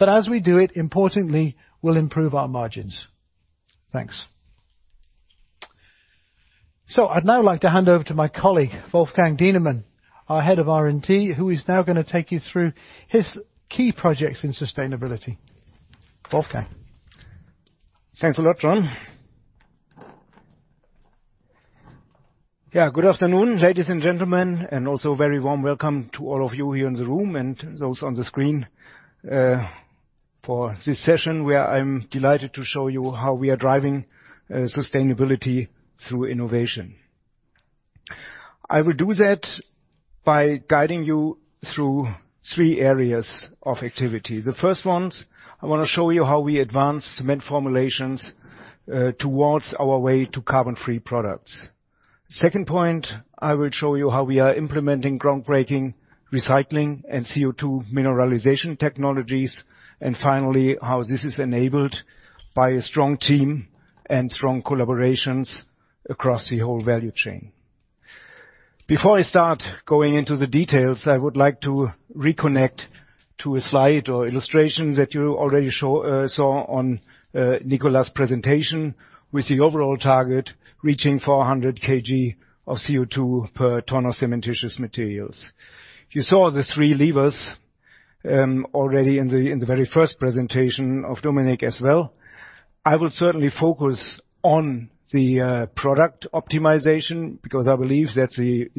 As we do it, importantly, we'll improve our margins. Thanks. I'd now like to hand over to my colleague, Wolfgang Dienemann, our Head of R&D, who is now gonna take you through his key projects in sustainability. Wolfgang. Thanks a lot, Jon. Yeah, good afternoon, ladies and gentlemen, and also very warm welcome to all of you here in the room and those on the screen, for this session, where I'm delighted to show you how we are driving sustainability through innovation. I will do that by guiding you through three areas of activity. The first one, I wanna show you how we advance cement formulations, towards our way to carbon-free products. Second point, I will show you how we are implementing groundbreaking recycling and CO2 mineralization technologies, and finally, how this is enabled by a strong team and strong collaborations across the whole value chain. Before I start going into the details, I would like to reconnect to a slide or illustration that you already saw on Nicola's presentation with the overall target reaching 400 kg of CO2 per ton of cementitious materials. You saw the three levers already in the very first presentation of Dominik as well. I will certainly focus on the product optimization because I believe that's the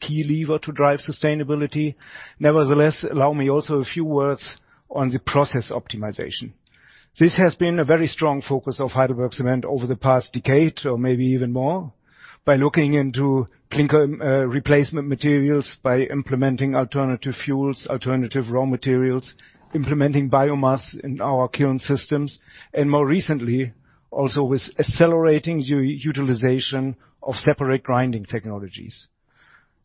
key lever to drive sustainability. Nevertheless, allow me also a few words on the process optimization. This has been a very strong focus of HeidelbergCement over the past decade or maybe even more, by looking into clinker replacement materials, by implementing alternative fuels, alternative raw materials, implementing biomass in our kiln systems, and more recently, also with accelerating utilization of separate grinding technologies.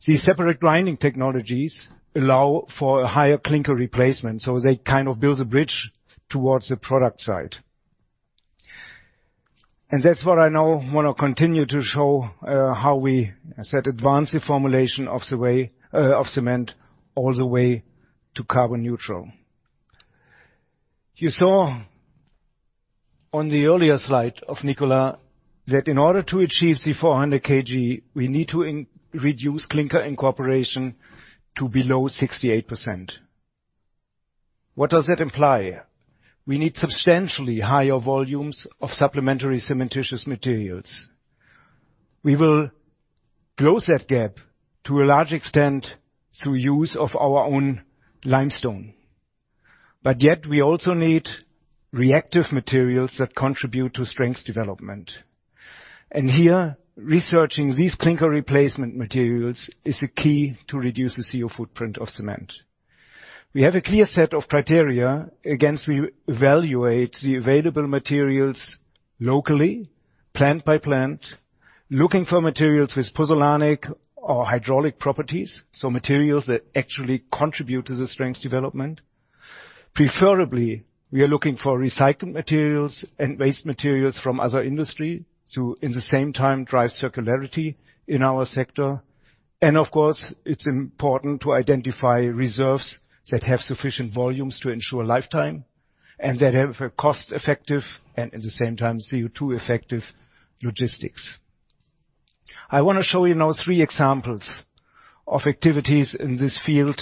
These separate grinding technologies allow for a higher clinker replacement, so they kind of build a bridge towards the product side. That's what I now wanna continue to show, how we, as I said, advance the formulation of cement all the way to carbon neutral. You saw on the earlier slide of Nicola that in order to achieve the 400 kg, we need to reduce clinker incorporation to below 68%. What does that imply? We need substantially higher volumes of supplementary cementitious materials. We will close that gap to a large extent through use of our own limestone. Yet we also need reactive materials that contribute to strength development. Here, researching these clinker replacement materials is the key to reduce the CO2 footprint of cement. We have a clear set of criteria against which we evaluate the available materials locally, plant by plant, looking for materials with pozzolanic or hydraulic properties, so materials that actually contribute to the strength development. Preferably, we are looking for recycled materials and waste materials from other industry to, at the same time, drive circularity in our sector. Of course, it's important to identify reserves that have sufficient volumes to ensure lifetime and that have a cost-effective, and at the same time, CO2-effective logistics. I wanna show you now three examples of activities in this field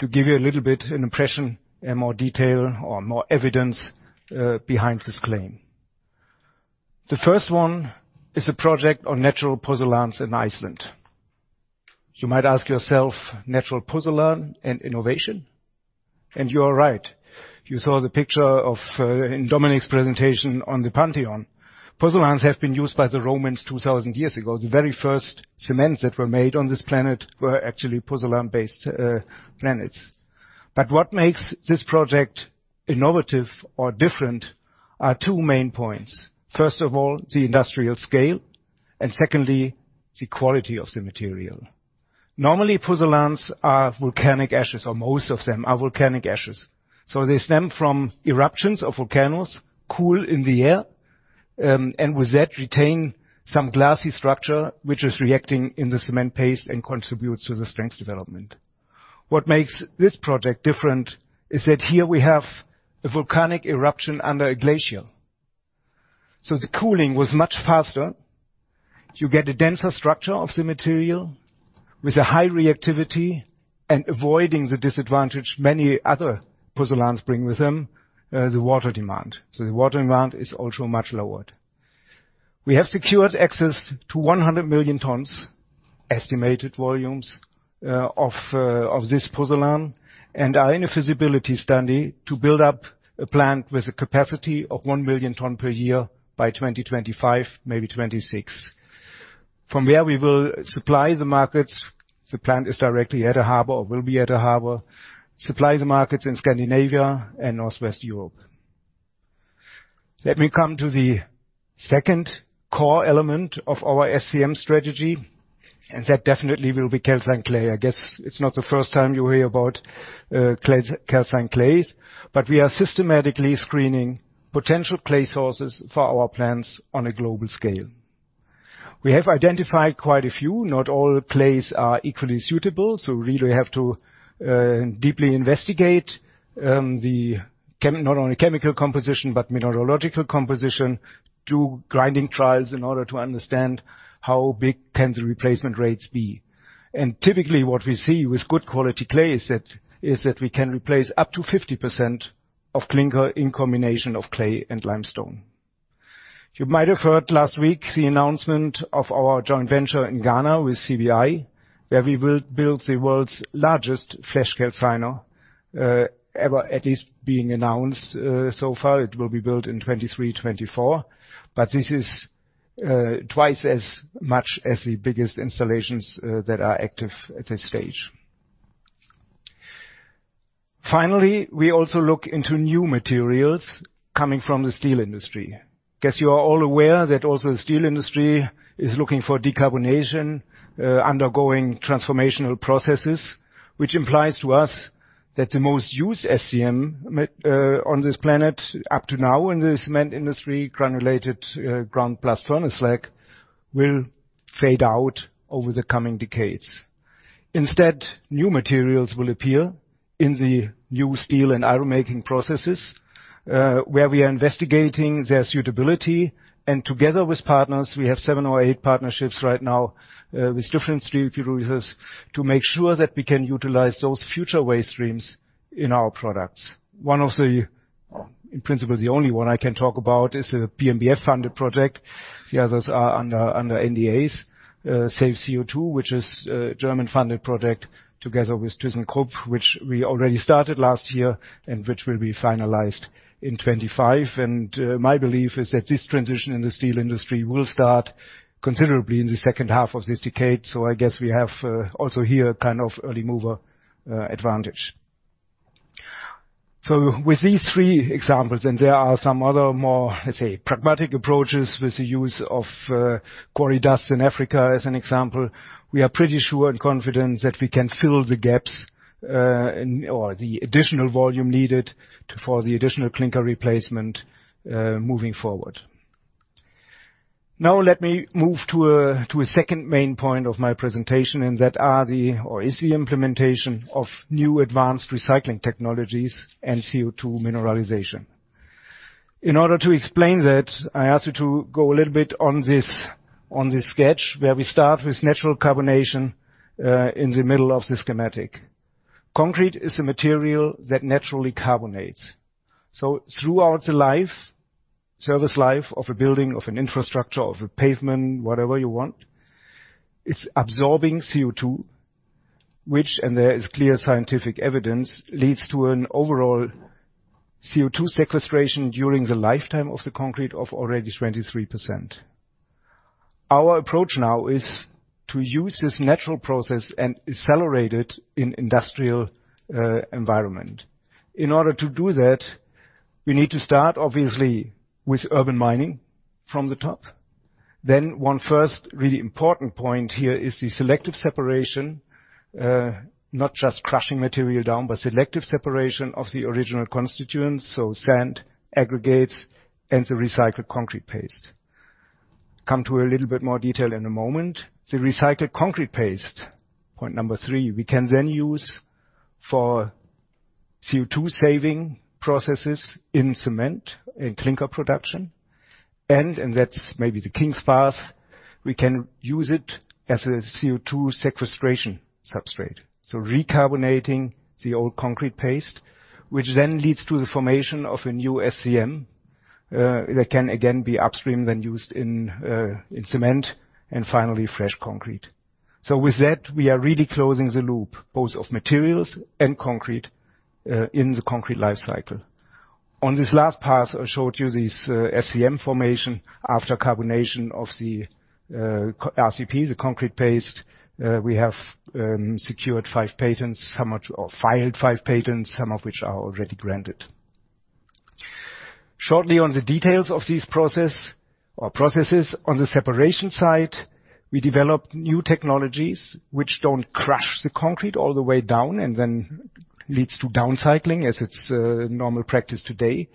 to give you a little bit of an impression and more detail or more evidence behind this claim. The first one is a project on natural pozzolans in Iceland. You might ask yourself, natural pozzolan and innovation? You are right. You saw the picture of the Pantheon in Dominik's presentation on the Pantheon. Pozzolans have been used by the Romans 2,000 years ago. The very first cements that were made on this planet were actually pozzolan-based pozzolans. What makes this project innovative or different are two main points. First of all, the industrial scale, and secondly, the quality of the material. Normally, pozzolans are volcanic ashes, or most of them are volcanic ashes. They stem from eruptions of volcanoes, cool in the air, and with that retain some glassy structure, which is reacting in the cement paste and contributes to the strength development. What makes this project different is that here we have a volcanic eruption under a glacier. The cooling was much faster. You get a denser structure of the material with a high reactivity and avoiding the disadvantage many other pozzolans bring with them, the water demand. The water demand is also much lowered. We have secured access to 100 million tons estimated volumes of this pozzolan, and are in a feasibility study to build up a plant with a capacity of 1 million ton per year by 2025, maybe 2026. From there, we will supply the markets. The plant is directly at a harbor, or will be at a harbor, supply the markets in Scandinavia and Northwest Europe. Let me come to the second core element of our SCM strategy, and that definitely will be calcined clay. I guess it's not the first time you hear about clay, calcined clays, but we are systematically screening potential clay sources for our plants on a global scale. We have identified quite a few. Not all clays are equally suitable, so we really have to deeply investigate not only chemical composition, but mineralogical composition, do grinding trials in order to understand how big can the replacement rates be. Typically, what we see with good quality clay is that we can replace up to 50% of clinker in combination of clay and limestone. You might have heard last week the announcement of our joint venture in Ghana with CBI, where we will build the world's largest flash calciner ever at least being announced so far. It will be built in 2023-2024, but this is twice as much as the biggest installations that are active at this stage. Finally, we also look into new materials coming from the steel industry. Guess you are all aware that also the steel industry is looking for decarbonization, undergoing transformational processes, which implies to us that the most used SCM on this planet up to now in the cement industry, ground granulated blast furnace slag, will fade out over the coming decades. Instead, new materials will appear in the new steel and iron-making processes, where we are investigating their suitability and together with partners, we have 7 or 8 partnerships right now with different steel producers to make sure that we can utilize those future waste streams in our products. One of them, in principle, the only one I can talk about is a BMBF-funded project. The others are under NDAs, SAVE CO₂, which is a German-funded project together with thyssenkrupp, which we already started last year and which will be finalized in 2025. My belief is that this transition in the steel industry will start considerably in the second half of this decade. I guess we have also here kind of early mover advantage. With these three examples, and there are some other more, let's say, pragmatic approaches with the use of quarry dust in Africa, as an example, we are pretty sure and confident that we can fill the gaps or the additional volume needed for the additional clinker replacement moving forward. Now let me move to a second main point of my presentation, and that are the, or is the implementation of new advanced recycling technologies and CO2 mineralization. In order to explain that, I ask you to go a little bit on this sketch, where we start with natural carbonation in the middle of the schematic. Concrete is a material that naturally carbonates. Throughout the life, service life of a building, of an infrastructure, of a pavement, whatever you want, it's absorbing CO2, which, and there is clear scientific evidence, leads to an overall CO2 sequestration during the lifetime of the concrete of already 23%. Our approach now is to use this natural process and accelerate it in industrial environment. In order to do that, we need to start obviously with urban mining from the top. One first really important point here is the selective separation, not just crushing material down, but selective separation of the original constituents, so sand, aggregates, and the recycled concrete paste. Come to a little bit more detail in a moment. The recycled concrete paste, point number three, we can then use for CO₂ saving processes in cement, in clinker production. That's maybe the king's path, we can use it as a CO₂ sequestration substrate. Recarbonating the old concrete paste, which then leads to the formation of a new SCM, that can again be upstream, then used in cement, and finally fresh concrete. With that, we are really closing the loop, both of materials and concrete, in the concrete life cycle. On this last path, I showed you this, SCM formation after carbonation of the, CP, the concrete paste. We have filed five patents, some of which are already granted. Shortly on the details of this process or processes. On the separation side, we developed new technologies which don't crush the concrete all the way down and then leads to down cycling as it's normal practice today.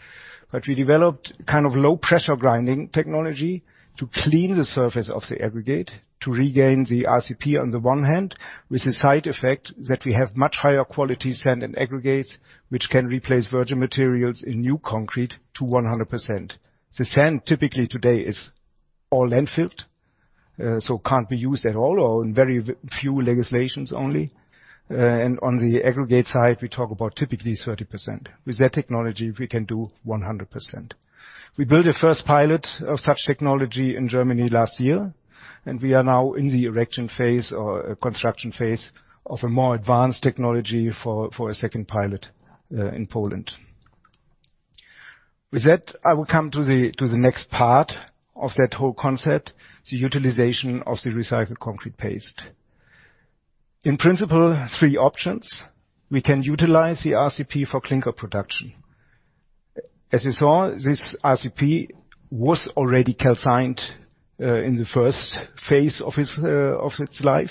We developed kind of low pressure grinding technology to clean the surface of the aggregate, to regain the RCP on the one hand, with the side effect that we have much higher quality sand and aggregates which can replace virgin materials in new concrete to 100%. The sand typically today is all landfill, so can't be used at all or in very few legislations only. And on the aggregate side, we talk about typically 30%. With that technology, we can do 100%. We built a first pilot of such technology in Germany last year, and we are now in the erection phase or construction phase of a more advanced technology for a second pilot in Poland. With that, I will come to the next part of that whole concept, the utilization of the recycled concrete paste. In principle, three options. We can utilize the RCP for clinker production. As you saw, this RCP was already calcined in the first phase of its life.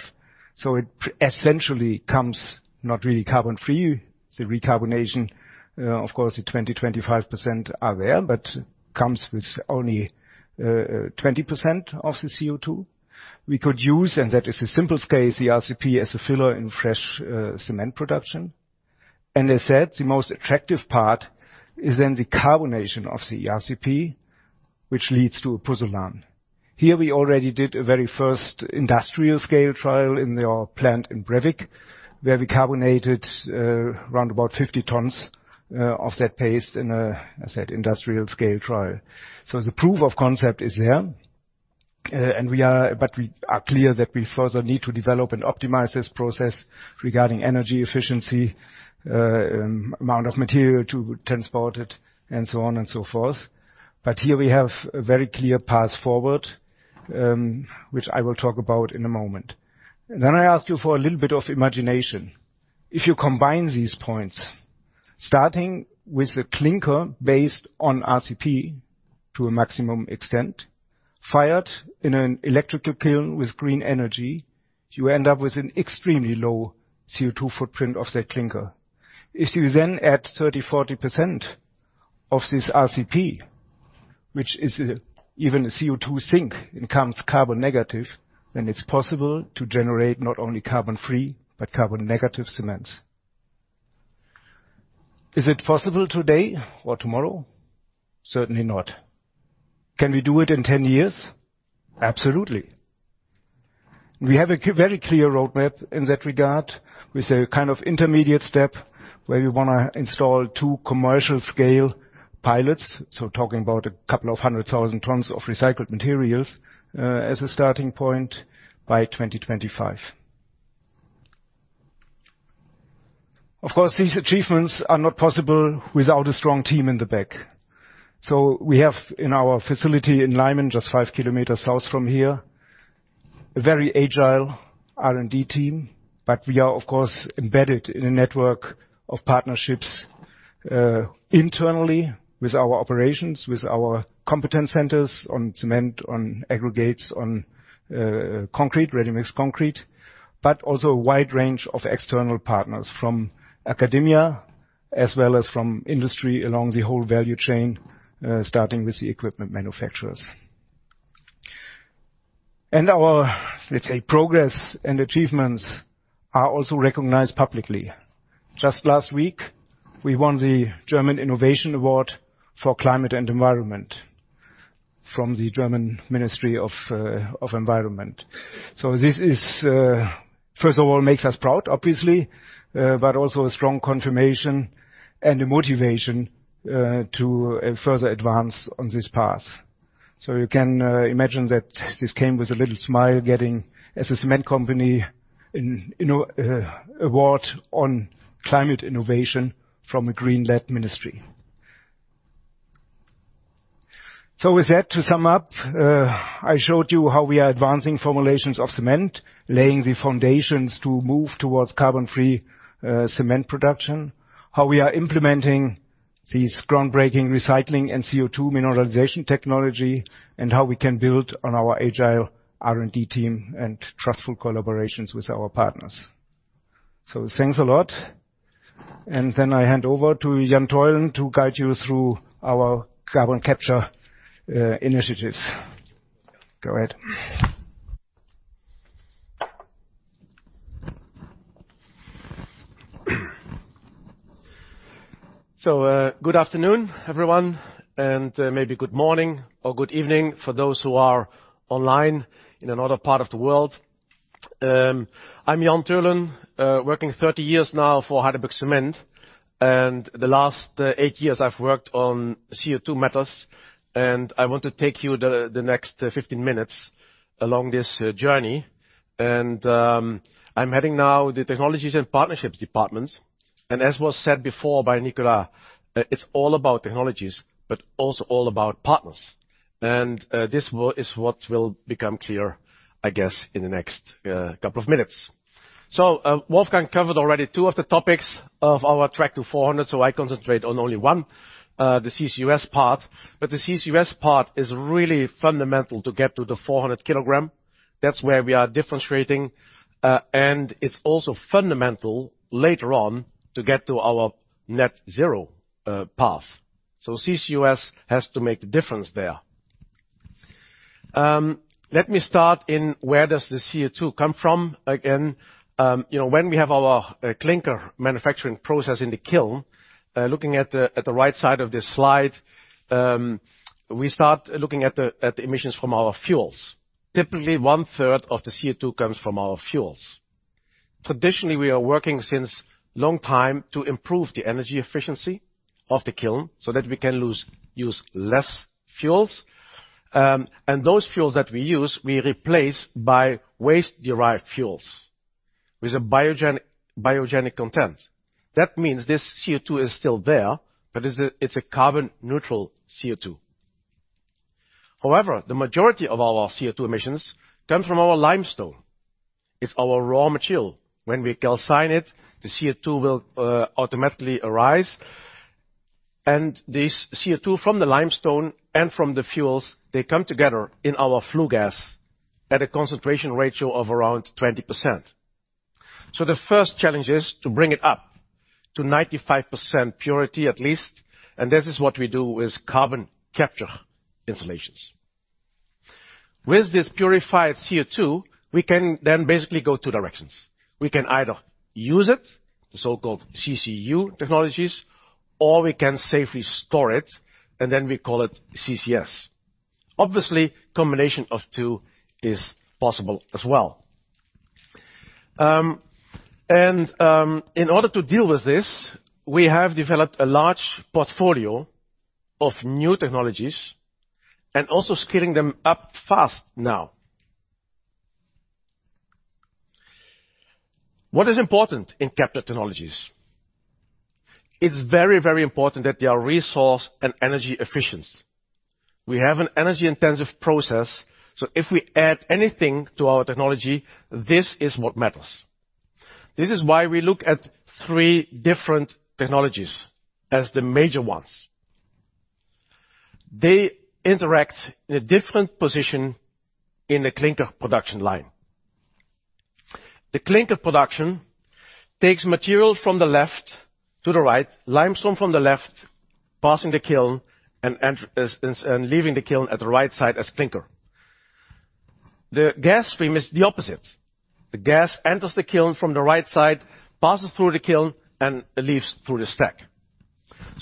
So it essentially comes not really carbon-free. The recarbonation, of course, the 25% are there, but comes with only 20% of the CO₂. We could use, and that is the simplest case, the RCP as a filler in fresh cement production. As said, the most attractive part is in the carbonation of the RCP, which leads to a pozzolan. Here we already did a very first industrial scale trial in our plant in Brevik, where we carbonated around about 50 tons of that paste in a, as I said, industrial scale trial. The proof of concept is there. But we are clear that we further need to develop and optimize this process regarding energy efficiency, amount of material to transport it, and so on and so forth. Here we have a very clear path forward, which I will talk about in a moment. I ask you for a little bit of imagination. If you combine these points, starting with the clinker based on RCP to a maximum extent, fired in an electrical kiln with green energy, you end up with an extremely low CO₂ footprint of that clinker. If you then add 30%-40% of this RCP, which is even a CO₂ sink, it comes carbon negative, then it's possible to generate not only carbon-free, but carbon negative cements. Is it possible today or tomorrow? Certainly not. Can we do it in 10 years? Absolutely. We have a very clear roadmap in that regard with a kind of intermediate step where we wanna install two commercial scale pilots, so talking about a couple of 100,000 tons of recycled materials, as a starting point by 2025. Of course, these achievements are not possible without a strong team in the back. We have in our facility in Leimen, just 5 km south from here, a very agile R&D team, but we are of course embedded in a network of partnerships, internally with our operations, with our competence centers on cement, on aggregates, on concrete, ready-mix concrete, but also a wide range of external partners from academia as well as from industry along the whole value chain, starting with the equipment manufacturers. Our, let's say, progress and achievements are also recognized publicly. Just last week, we won the German Innovation Award for Climate and Environment from the German Ministry of Environment. This is, first of all, makes us proud, obviously, but also a strong confirmation and a motivation to further advance on this path. You can imagine that this came with a little smile getting as a cement company an innovation award on climate innovation from a green-led ministry. With that, to sum up, I showed you how we are advancing formulations of cement, laying the foundations to move towards carbon free cement production, how we are implementing these groundbreaking recycling and CO₂ mineralization technology, and how we can build on our agile R&D team and trustful collaborations with our partners. Thanks a lot. I hand over to Jan Theulen to guide you through our carbon capture initiatives. Go ahead. Good afternoon, everyone, and maybe good morning or good evening for those who are online in another part of the world. I'm Jan Theulen, working 30 years now for HeidelbergCement. The last eight years I've worked on CO2 matters, and I want to take you the next 15 minutes along this journey. I'm heading now the Technologies & Partnerships department. As was said before by Nicola, it's all about technologies, but also all about partners. This is what will become clear, I guess, in the next couple of minutes. Wolfgang covered already two of the topics of our track to 400, so I concentrate on only one, the CCUS part. The CCUS part is really fundamental to get to the 400 kg. That's where we are differentiating, and it's also fundamental later on to get to our net zero path. CCUS has to make the difference there. Let me start with where the CO₂ comes from again. You know, when we have our clinker manufacturing process in the kiln, looking at the right side of this slide, we start looking at the emissions from our fuels. Typically, one-third of the CO₂ comes from our fuels. Traditionally, we are working for a long time to improve the energy efficiency of the kiln so that we can use less fuels. And those fuels that we use, we replace by waste-derived fuels with a biogenic content. That means this CO₂ is still there, but it's a carbon-neutral CO₂. However, the majority of all our CO₂ emissions come from our limestone. It's our raw material. When we calcine it, the CO₂ will automatically arise. This CO₂ from the limestone and from the fuels, they come together in our flue gas at a concentration ratio of around 20%. The first challenge is to bring it up to 95% purity at least, and this is what we do with carbon capture installations. With this purified CO₂, we can then basically go two directions. We can either use it, the so-called CCU technologies, or we can safely store it, and then we call it CCS. Obviously, combination of two is possible as well. In order to deal with this, we have developed a large portfolio of new technologies and also scaling them up fast now. What is important in capture technologies? It's very, very important that they are resource and energy efficient. We have an energy-intensive process, so if we add anything to our technology, this is what matters. This is why we look at three different technologies as the major ones. They interact in a different position in the clinker production line. The clinker production takes material from the left to the right, limestone from the left, passing the kiln and leaving the kiln at the right side as clinker. The gas stream is the opposite. The gas enters the kiln from the right side, passes through the kiln, and leaves through the stack.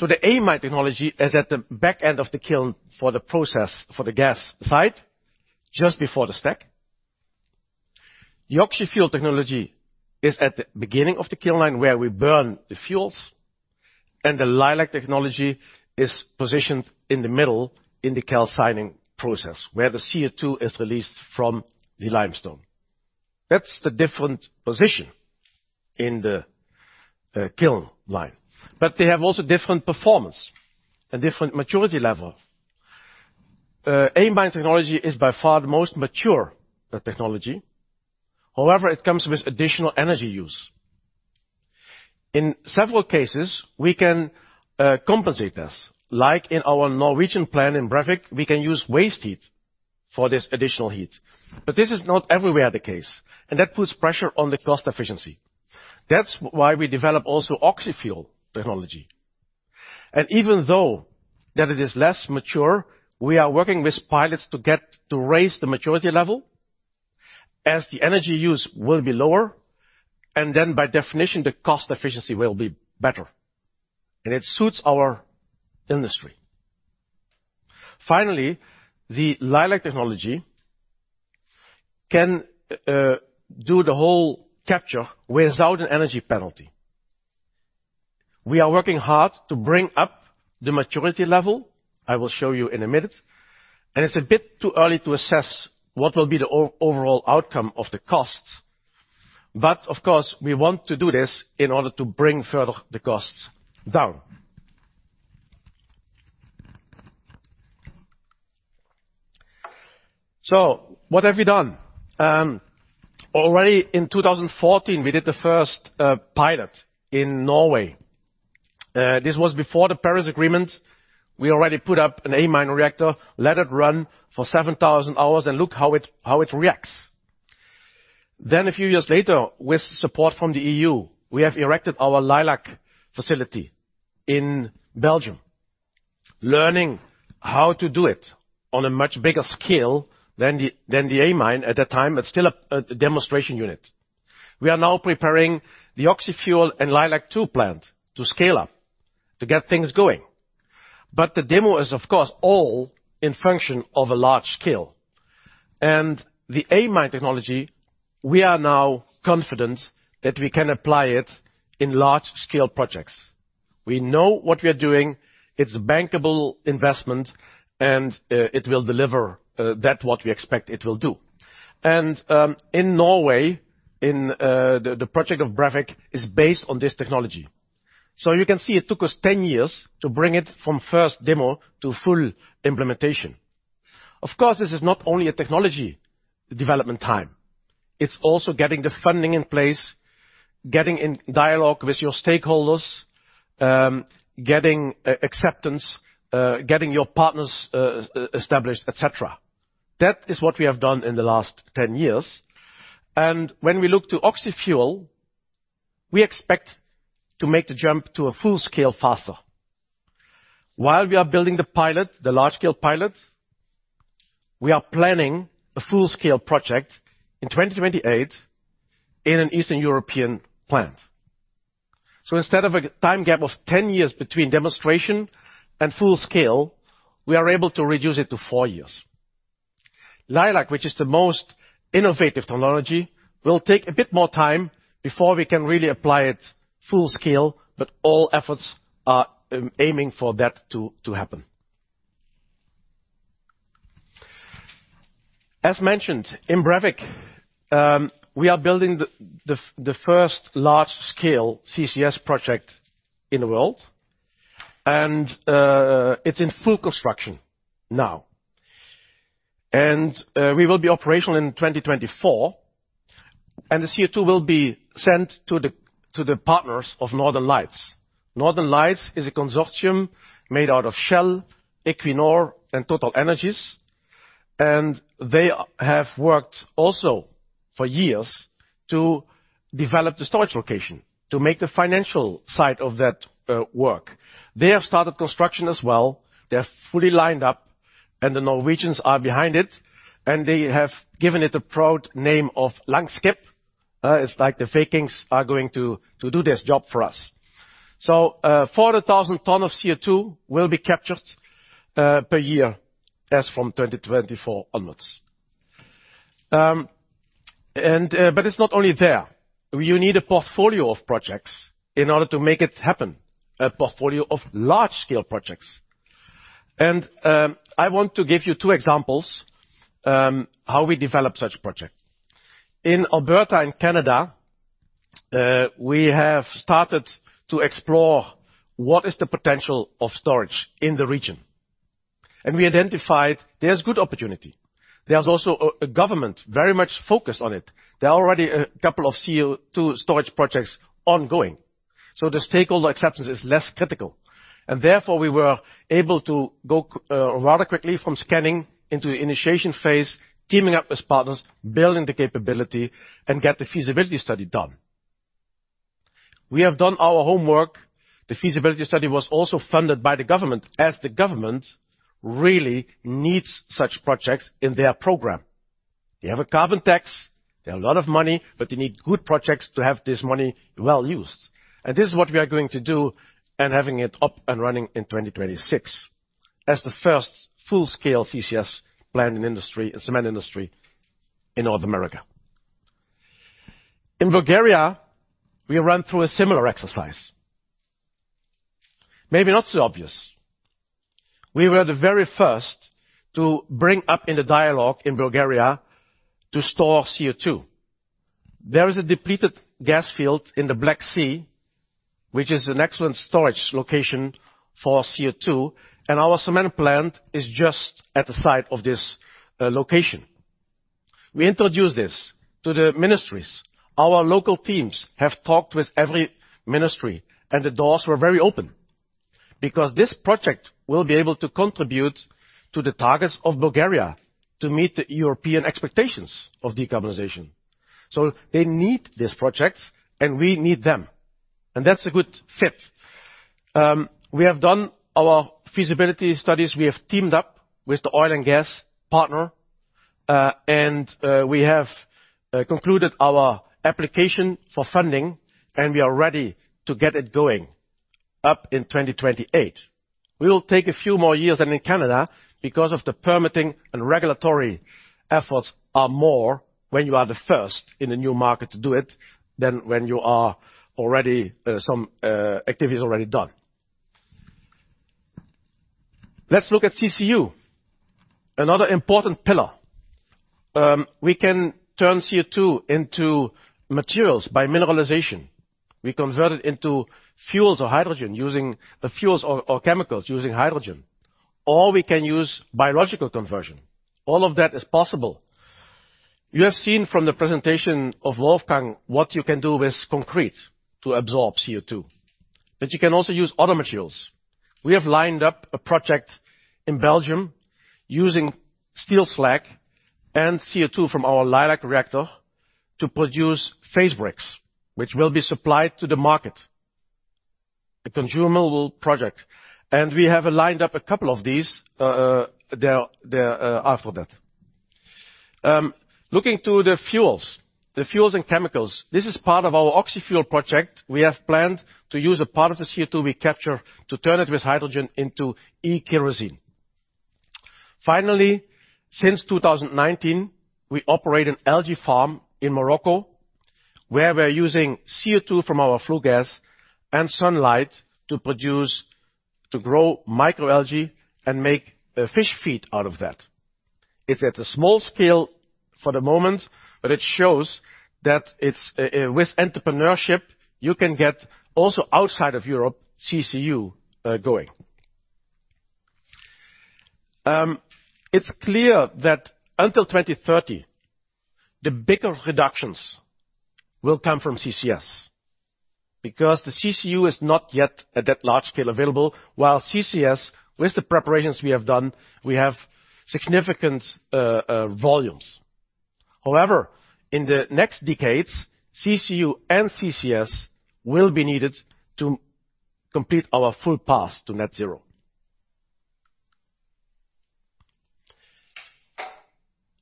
The Amine technology is at the back end of the kiln for the process, for the gas side, just before the stack. The Oxyfuel technology is at the beginning of the kiln line where we burn the fuels, and the LEILAC technology is positioned in the middle in the calcining process, where the CO₂ is released from the limestone. That's the different position in the kiln line. They have also different performance and different maturity level. Amine technology is by far the most mature technology. However, it comes with additional energy use. In several cases, we can compensate this. Like in our Norwegian plant in Brevik, we can use waste heat for this additional heat. This is not everywhere the case, and that puts pressure on the cost efficiency. That's why we develop also Oxyfuel technology. Even though that it is less mature, we are working with pilots to get to raise the maturity level as the energy use will be lower, and then by definition, the cost efficiency will be better, and it suits our industry. Finally, the LEILAC technology can do the whole capture without an energy penalty. We are working hard to bring up the maturity level, I will show you in a minute, and it's a bit too early to assess what will be the overall outcome of the costs. Of course, we want to do this in order to bring further the costs down. What have we done? Already in 2014, we did the first pilot in Norway. This was before the Paris Agreement. We already put up an AMINE reactor, let it run for 7,000 hours, and look how it reacts. A few years later, with support from the EU, we have erected our LEILAC facility in Belgium, learning how to do it on a much bigger scale than the Amine at that time. It's still a demonstration unit. We are now preparing the Oxyfuel and LEILAC-2 plant to scale up to get things going. The demo is, of course, all in function of a large scale. The Amine technology, we are now confident that we can apply it in large scale projects. We know what we are doing, it's bankable investment, and it will deliver that what we expect it will do. In Norway, the project of Brevik is based on this technology. You can see it took us 10 years to bring it from first demo to full implementation. Of course, this is not only a technology development time, it's also getting the funding in place, getting in dialogue with your stakeholders, getting acceptance, getting your partners established, et cetera. That is what we have done in the last 10 years. When we look to Oxyfuel, we expect to make the jump to a full scale faster. While we are building the pilot, the large scale pilot, we are planning a full scale project in 2028 in an Eastern European plant. Instead of a time gap of 10 years between demonstration and full scale, we are able to reduce it to 4 years. LEILAC, which is the most innovative technology, will take a bit more time before we can really apply it full scale, but all efforts are aiming for that to happen. As mentioned, in Brevik, we are building the first large scale CCS project in the world, and it's in full construction now. We will be operational in 2024, and the CO2 will be sent to the partners of Northern Lights. Northern Lights is a consortium made out of Shell, Equinor and TotalEnergies, and they have worked also for years to develop the storage location to make the financial side of that work. They have started construction as well. They're fully lined up and the Norwegians are behind it, and they have given it a proud name of Langskip. It's like the Vikings are going to do this job for us. 40,000 tons of CO2 will be captured per year as from 2024 onwards. It's not only there. You need a portfolio of projects in order to make it happen, a portfolio of large-scale projects. I want to give you two examples how we develop such projects. In Alberta and Canada, we have started to explore what is the potential of storage in the region, and we identified there's good opportunity. There's also a government very much focused on it. There are already a couple of CO2 storage projects ongoing, so the stakeholder acceptance is less critical. Therefore, we were able to go rather quickly from scanning into the initiation phase, teaming up with partners, building the capability, and get the feasibility study done. We have done our homework. The feasibility study was also funded by the government as the government really needs such projects in their program. They have a carbon tax, they have a lot of money, but they need good projects to have this money well used. This is what we are going to do and having it up and running in 2026 as the first full-scale CCS plant and industry, and cement industry in North America. In Bulgaria, we run through a similar exercise. Maybe not so obvious. We were the very first to bring up in the dialogue in Bulgaria to store CO2. There is a depleted gas field in the Black Sea, which is an excellent storage location for CO2, and our cement plant is just at the site of this location. We introduced this to the ministries. Our local teams have talked with every ministry, and the doors were very open because this project will be able to contribute to the targets of Bulgaria to meet the European expectations of decarbonization. They need these projects and we need them, and that's a good fit. We have done our feasibility studies. We have teamed up with the oil and gas partner, and we have concluded our application for funding, and we are ready to get it going up in 2028. We will take a few more years than in Canada because of the permitting and regulatory efforts are more when you are the first in a new market to do it than when you are already some activities done. Let's look at CCU, another important pillar. We can turn CO2 into materials by mineralization. We convert it into fuels or hydrogen using the fuels or chemicals using hydrogen, or we can use biological conversion. All of that is possible. You have seen from the presentation of Wolfgang what you can do with concrete to absorb CO2, but you can also use other materials. We have lined up a project in Belgium using steel slag and CO2 from our LEILAC reactor to produce paving bricks, which will be supplied to the market. A commercial project. We have lined up a couple of these after that. Looking to the fuels. The fuels and chemicals. This is part of our Oxyfuel project. We have planned to use a part of the CO2 we capture to turn it with hydrogen into e-kerosene. Finally, since 2019, we operate an algae farm in Morocco, where we're using CO2 from our flue gas and sunlight to grow microalgae and make fish feed out of that. It's at a small scale for the moment, but it shows that it's with entrepreneurship, you can get also outside of Europe, CCU going. It's clear that until 2030, the bigger reductions will come from CCS because the CCU is not yet at that large scale available, while CCS, with the preparations we have done, we have significant volumes. However, in the next decades, CCU and CCS will be needed to complete our full path to net zero.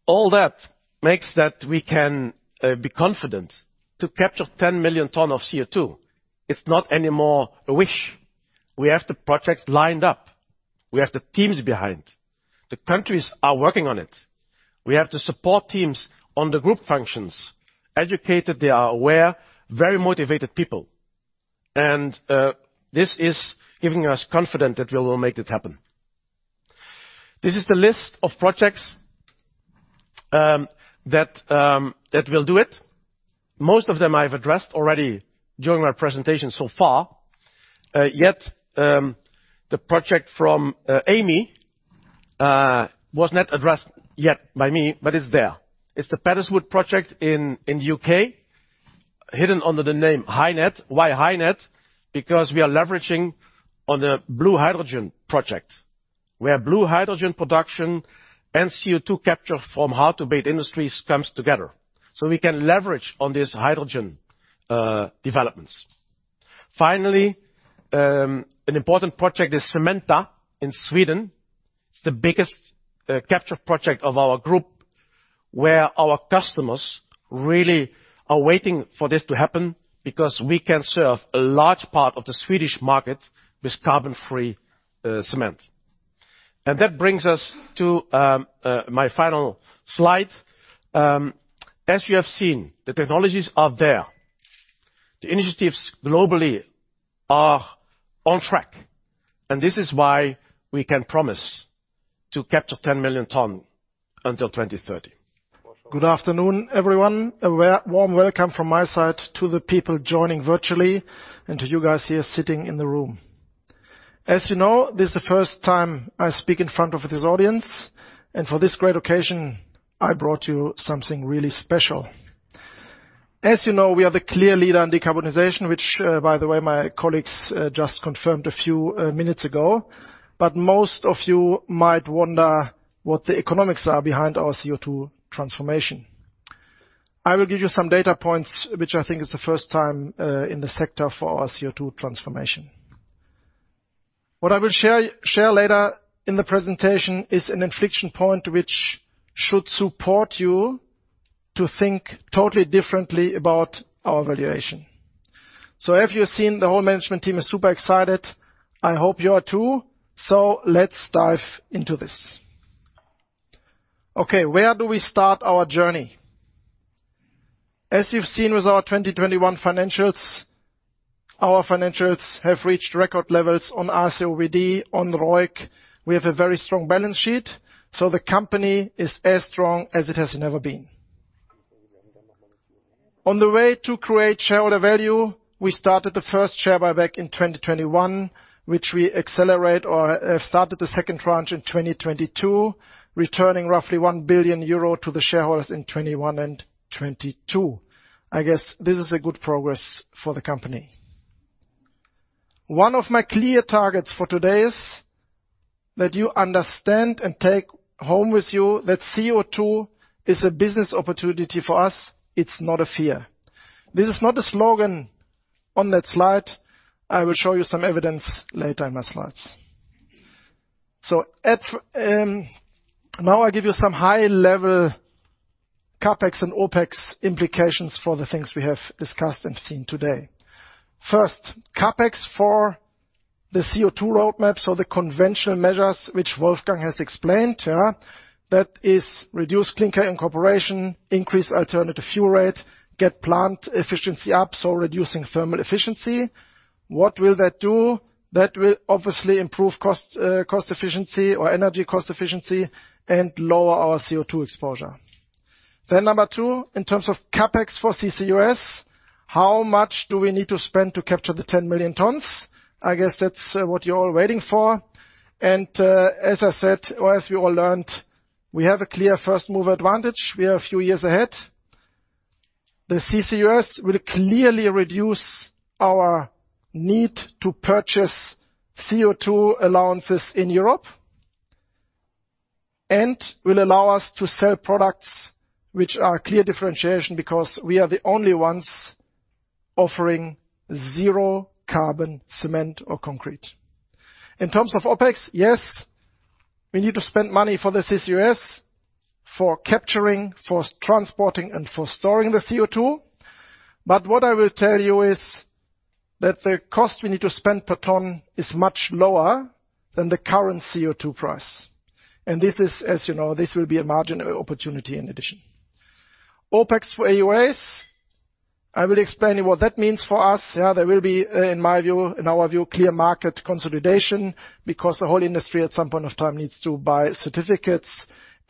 All that makes that we can be confident to capture 10 million tons of CO2. It's not anymore a wish. We have the projects lined up. We have the teams behind. The countries are working on it. We have the support teams on the group functions. Educated, they are aware, very motivated people. This is giving us confident that we will make it happen. This is the list of projects that will do it. Most of them I've addressed already during my presentation so far. The project from Antoing was not addressed yet by me, but it's there. It's the Padeswood project in the U.K., hidden under the name HyNet. Why HyNet? Because we are leveraging on a blue hydrogen project, where blue hydrogen production and CO2 capture from hard-to-abate industries comes together. We can leverage on this hydrogen developments. Finally, an important project is Cementa in Sweden. It's the biggest capture project of our group, where our customers really are waiting for this to happen because we can serve a large part of the Swedish market with carbon-free cement. That brings us to my final slide. As you have seen, the technologies are there. The initiatives globally are on track, and this is why we can promise to capture 10 million tons until 2030. Good afternoon, everyone. A warm welcome from my side to the people joining virtually and to you guys here sitting in the room. As you know, this is the first time I speak in front of this audience, and for this great occasion, I brought you something really special. As you know, we are the clear leader in decarbonization, which, by the way, my colleagues, just confirmed a few minutes ago. Most of you might wonder what the economics are behind our CO2 transformation. I will give you some data points, which I think is the first time in the sector for our CO2 transformation. What I will share later in the presentation is an inflection point which should support you to think totally differently about our valuation. As you have seen, the whole management team is super excited. I hope you are too. Let's dive into this. Okay. Where do we start our journey? As you've seen with our 2021 financials, our financials have reached record levels on RCOBD, on ROIC. We have a very strong balance sheet, so the company is as strong as it has never been. On the way to create shareholder value, we started the first share buyback in 2021, which we accelerate or have started the second tranche in 2022, returning roughly 1 billion euro to the shareholders in 2021 and 2022. I guess this is a good progress for the company. One of my clear targets for today is that you understand and take home with you that CO2 is a business opportunity for us, it's not a fear. This is not a slogan on that slide. I will show you some evidence later in my slides. Now I give you some high-level CapEx and OpEx implications for the things we have discussed and seen today. First, CapEx for the CO2 roadmap, so the conventional measures which Wolfgang has explained, yeah. That is, reduce clinker incorporation, increase alternative fuel rate, get plant efficiency up, so reducing thermal energy. What will that do? That will obviously improve cost efficiency or energy cost efficiency and lower our CO₂ exposure. Number two, in terms of CapEx for CCUS, how much do we need to spend to capture the 10 million tons? I guess that's, what you're all waiting for. As I said, or as we all learned, we have a clear first mover advantage. We are a few years ahead. The CCUS will clearly reduce our need to purchase CO₂ allowances in Europe. Will allow us to sell products which are clear differentiation because we are the only ones offering zero carbon cement or concrete. In terms of OpEx, yes, we need to spend money for the CCUS, for capturing, for transporting and for storing the CO₂. What I will tell you is that the cost we need to spend per ton is much lower than the current CO₂ price. This is, as you know, this will be a marginal opportunity in addition. OpEx for EUAs, I will explain what that means for us. Yeah, there will be, in my view, in our view, clear market consolidation because the whole industry at some point of time needs to buy certificates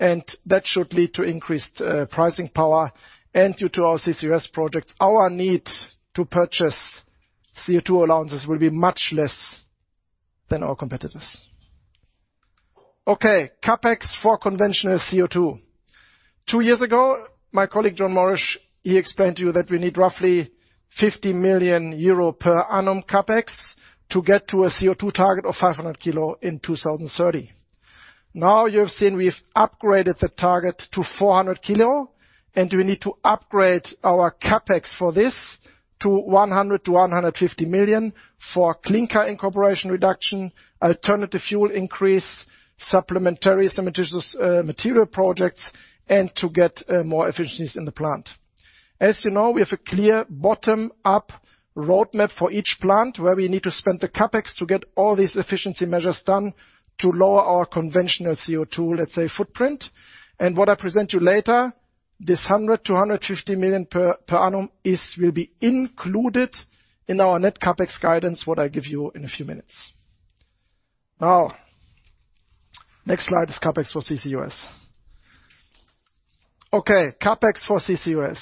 and that should lead to increased pricing power and due to our CCUS projects, our need to purchase CO₂ allowances will be much less than our competitors. Okay, CapEx for conventional CO₂. Two years ago, my colleague Jon Morrish, he explained to you that we need roughly 50 million euro per annum CapEx to get to a CO₂ target of 500 kg in 2030. Now you've seen we've upgraded the target to 400 kg, and we need to upgrade our CapEx for this to 100-150 million for clinker incorporation reduction, alternative fuel increase, supplementary cementitious material projects, and to get more efficiencies in the plant. As you know, we have a clear bottom-up roadmap for each plant where we need to spend the CapEx to get all these efficiency measures done to lower our conventional CO₂, let's say, footprint. What I present you later, this 100-150 million per annum will be included in our net CapEx guidance, what I give you in a few minutes. Now, next slide is CapEx for CCUS. Okay, CapEx for CCUS.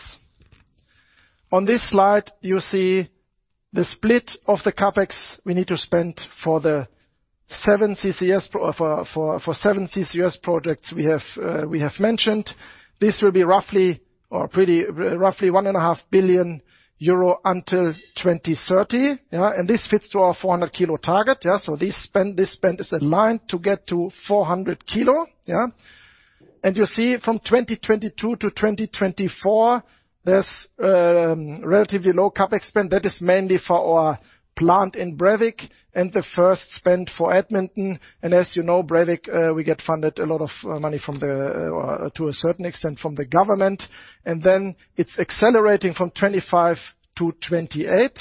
On this slide, you see the split of the CapEx we need to spend for the seven CCUS projects we have mentioned. This will be roughly 1.5 billion euro until 2030. This fits to our 400 kg target. This spend is aligned to get to 400 kg. You see from 2022 to 2024, there's relatively low CapEx spend. That is mainly for our plant in Brevik and the first spend for Edmonton. As you know, Brevik, we get funded a lot of money to a certain extent from the government. Then it's accelerating from 2025 to 2028.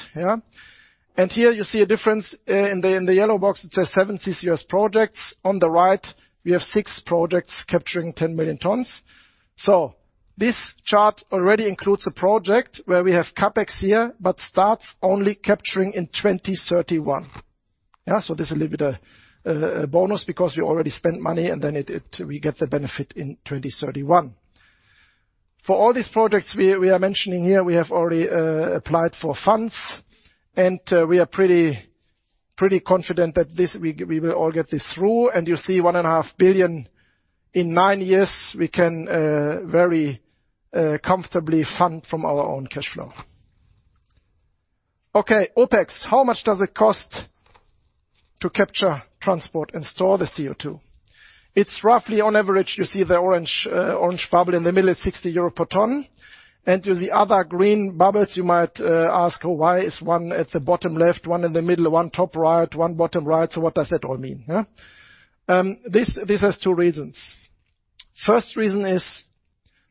Here you see a difference. In the yellow box, it says seven CCUS projects. On the right, we have six projects capturing 10 million tons. This chart already includes a project where we have CapEx here, but it starts only capturing in 2031. This is a little bit of a bonus because we already spent money and then we get the benefit in 2031. For all these projects we are mentioning here, we have already applied for funds, and we are pretty confident that we will all get this through. You see 1.5 billion in nine years, we can very comfortably fund from our own cash flow. Okay, OpEx, how much does it cost to capture, transport, and store the CO₂? It's roughly on average, you see the orange bubble in the middle is 60 euro per ton. You see other green bubbles, you might ask, "Well, why is one at the bottom left, one in the middle, one top right, one bottom right? So what does that all mean?" Yeah. This has two reasons. First reason is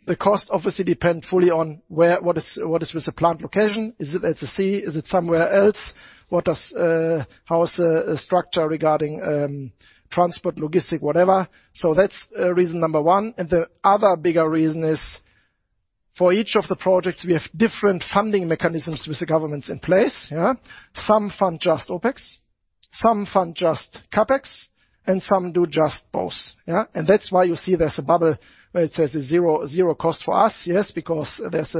the cost obviously depend fully on where what is with the plant location. Is it at the sea? Is it somewhere else? How is structure regarding transport, logistics, whatever. That's reason number one. The other bigger reason is for each of the projects, we have different funding mechanisms with the governments in place. Yeah. Some fund just OpEx, some fund just CapEx, and some do just both. Yeah. That's why you see there's a bubble where it says zero-zero cost for us. Yes, because there's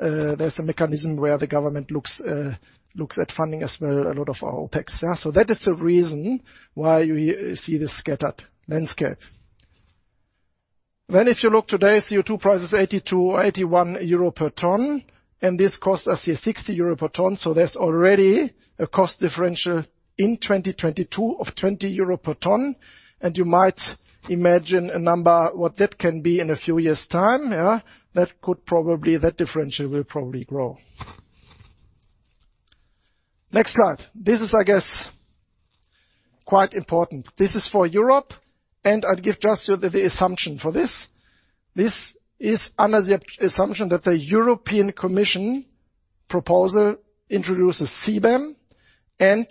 a mechanism where the government looks at funding as well a lot of our OpEx. Yeah. So that is the reason why you see this scattered landscape. If you look at today's CO₂ prices, 82-81 euro per ton, and this costs us 60 euro per ton. So there's already a cost differential in 2022 of 20 euro per ton. You might imagine a number, what that can be in a few years' time. Yeah. That differential will probably grow. Next slide. This is, I guess, quite important. This is for Europe, and I'd give just the assumption for this. This is under the assumption that the European Commission proposal introduces CBAM and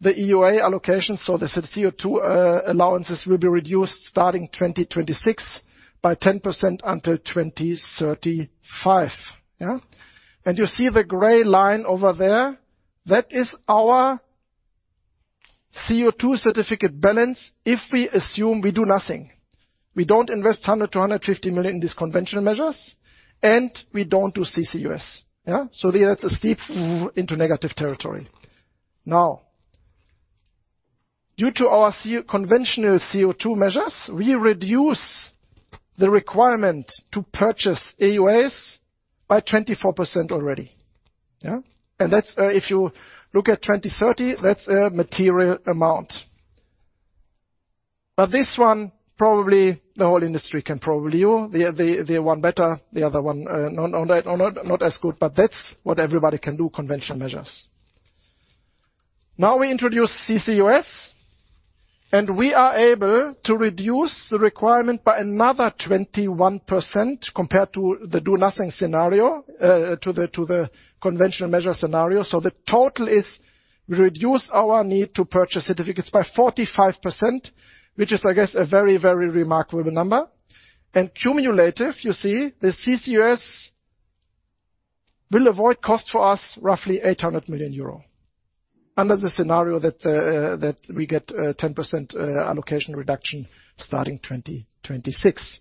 the EUA allocation, so the CO2 allowances will be reduced starting 2026 by 10% until 2035. You see the gray line over there, that is our CO2 certificate balance if we assume we do nothing. We don't invest 100 million-150 million in these conventional measures, and we don't use CCUS. That's a steep into negative territory. Now, due to our conventional CO2 measures, we reduce the requirement to purchase EUAs by 24% already. That's, if you look at 2030, that's a material amount. This one, probably the whole industry can do. The one better, the other one, not as good, but that's what everybody can do, conventional measures. Now we introduce CCUS, and we are able to reduce the requirement by another 21% compared to the do nothing scenario, to the conventional measure scenario. The total is reduce our need to purchase certificates by 45%, which is, I guess, a very remarkable number. Cumulative, you see, the CCUS will avoid cost for us roughly 800 million euro. Under the scenario that we get a 10% allocation reduction starting 2026.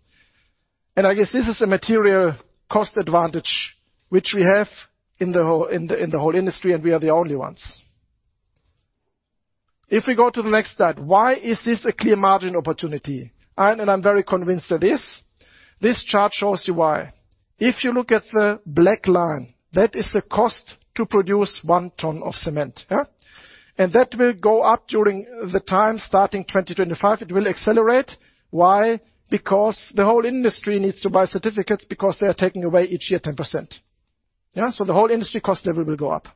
I guess this is a material cost advantage which we have in the whole industry, and we are the only ones. If we go to the next slide, why is this a clear margin opportunity? I'm very convinced that it is. This chart shows you why. If you look at the black line, that is the cost to produce one ton of cement, yeah? That will go up during the time starting 2025, it will accelerate. Why? Because the whole industry needs to buy certificates because they are taking away each year 10%. Yeah? The whole industry cost level will go up.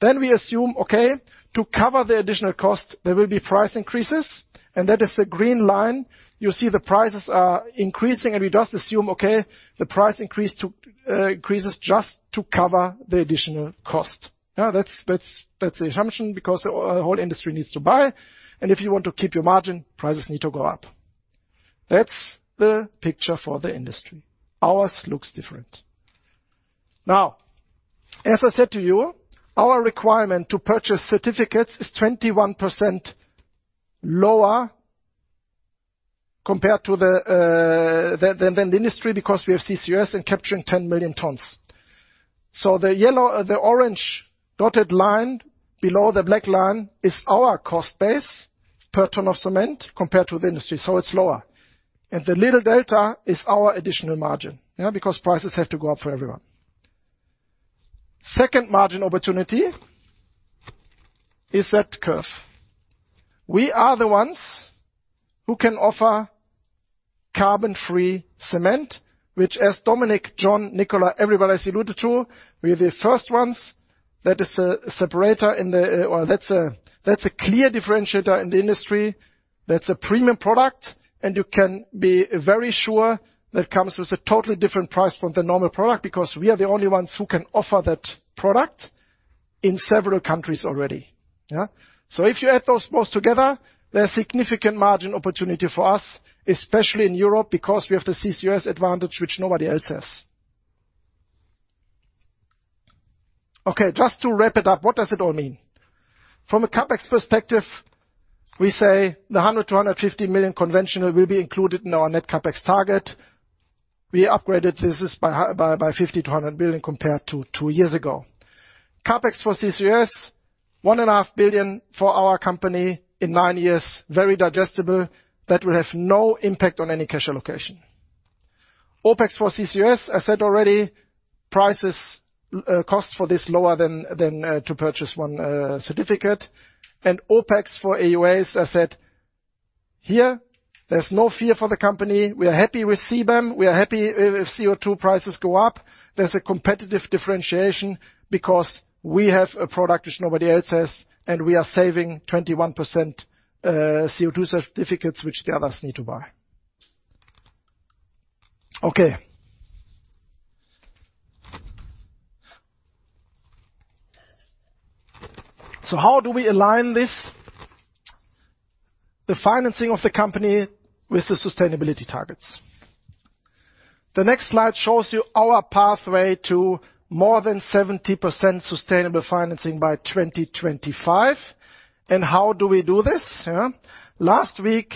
We assume, okay, to cover the additional cost, there will be price increases, and that is the green line. You see the prices are increasing and we just assume, okay, the price increase to increases just to cover the additional cost. Now that's the assumption because the whole industry needs to buy. If you want to keep your margin, prices need to go up. That's the picture for the industry. Ours looks different. Now, as I said to you, our requirement to purchase certificates is 21% lower compared to the than the industry because we have CCUS and capturing 10 million tons. The orange dotted line below the black line is our cost base per ton of cement compared to the industry, so it's lower. The little Delta is our additional margin, yeah? Because prices have to go up for everyone. Second margin opportunity is that curve. We are the ones who can offer carbon-free cement, which as Dominik, Jon, Nicola, everybody has alluded to, we're the first ones. That's a clear differentiator in the industry. That's a premium product, and you can be very sure that comes with a totally different price from the normal pro duct because we are the only ones who can offer that product in several countries already, yeah? So if you add those both together, there's significant margin opportunity for us, especially in Europe, because we have the CCUS advantage, which nobody else has. Okay, just to wrap it up, what does it all mean? From a CapEx perspective, we say 100-150 million conventional will be included in our net CapEx target. We upgraded this by 50-100 million compared to two years ago. CapEx for CCUS, 1.5 billion for our company in nine years, very digestible, that will have no impact on any cash allocation. OpEx for CCUS, I said already, prices cost for this lower than to purchase one certificate. OpEx for EUAs, I said, here there's no fear for the company. We are happy with CBAM. We are happy if CO2 prices go up. There's a competitive differentiation because we have a product which nobody else has, and we are saving 21% CO2 certificates, which the others need to buy. Okay. How do we align this, the financing of the company, with the sustainability targets? The next slide shows you our pathway to more than 70% sustainable financing by 2025. How do we do this, yeah? Last week,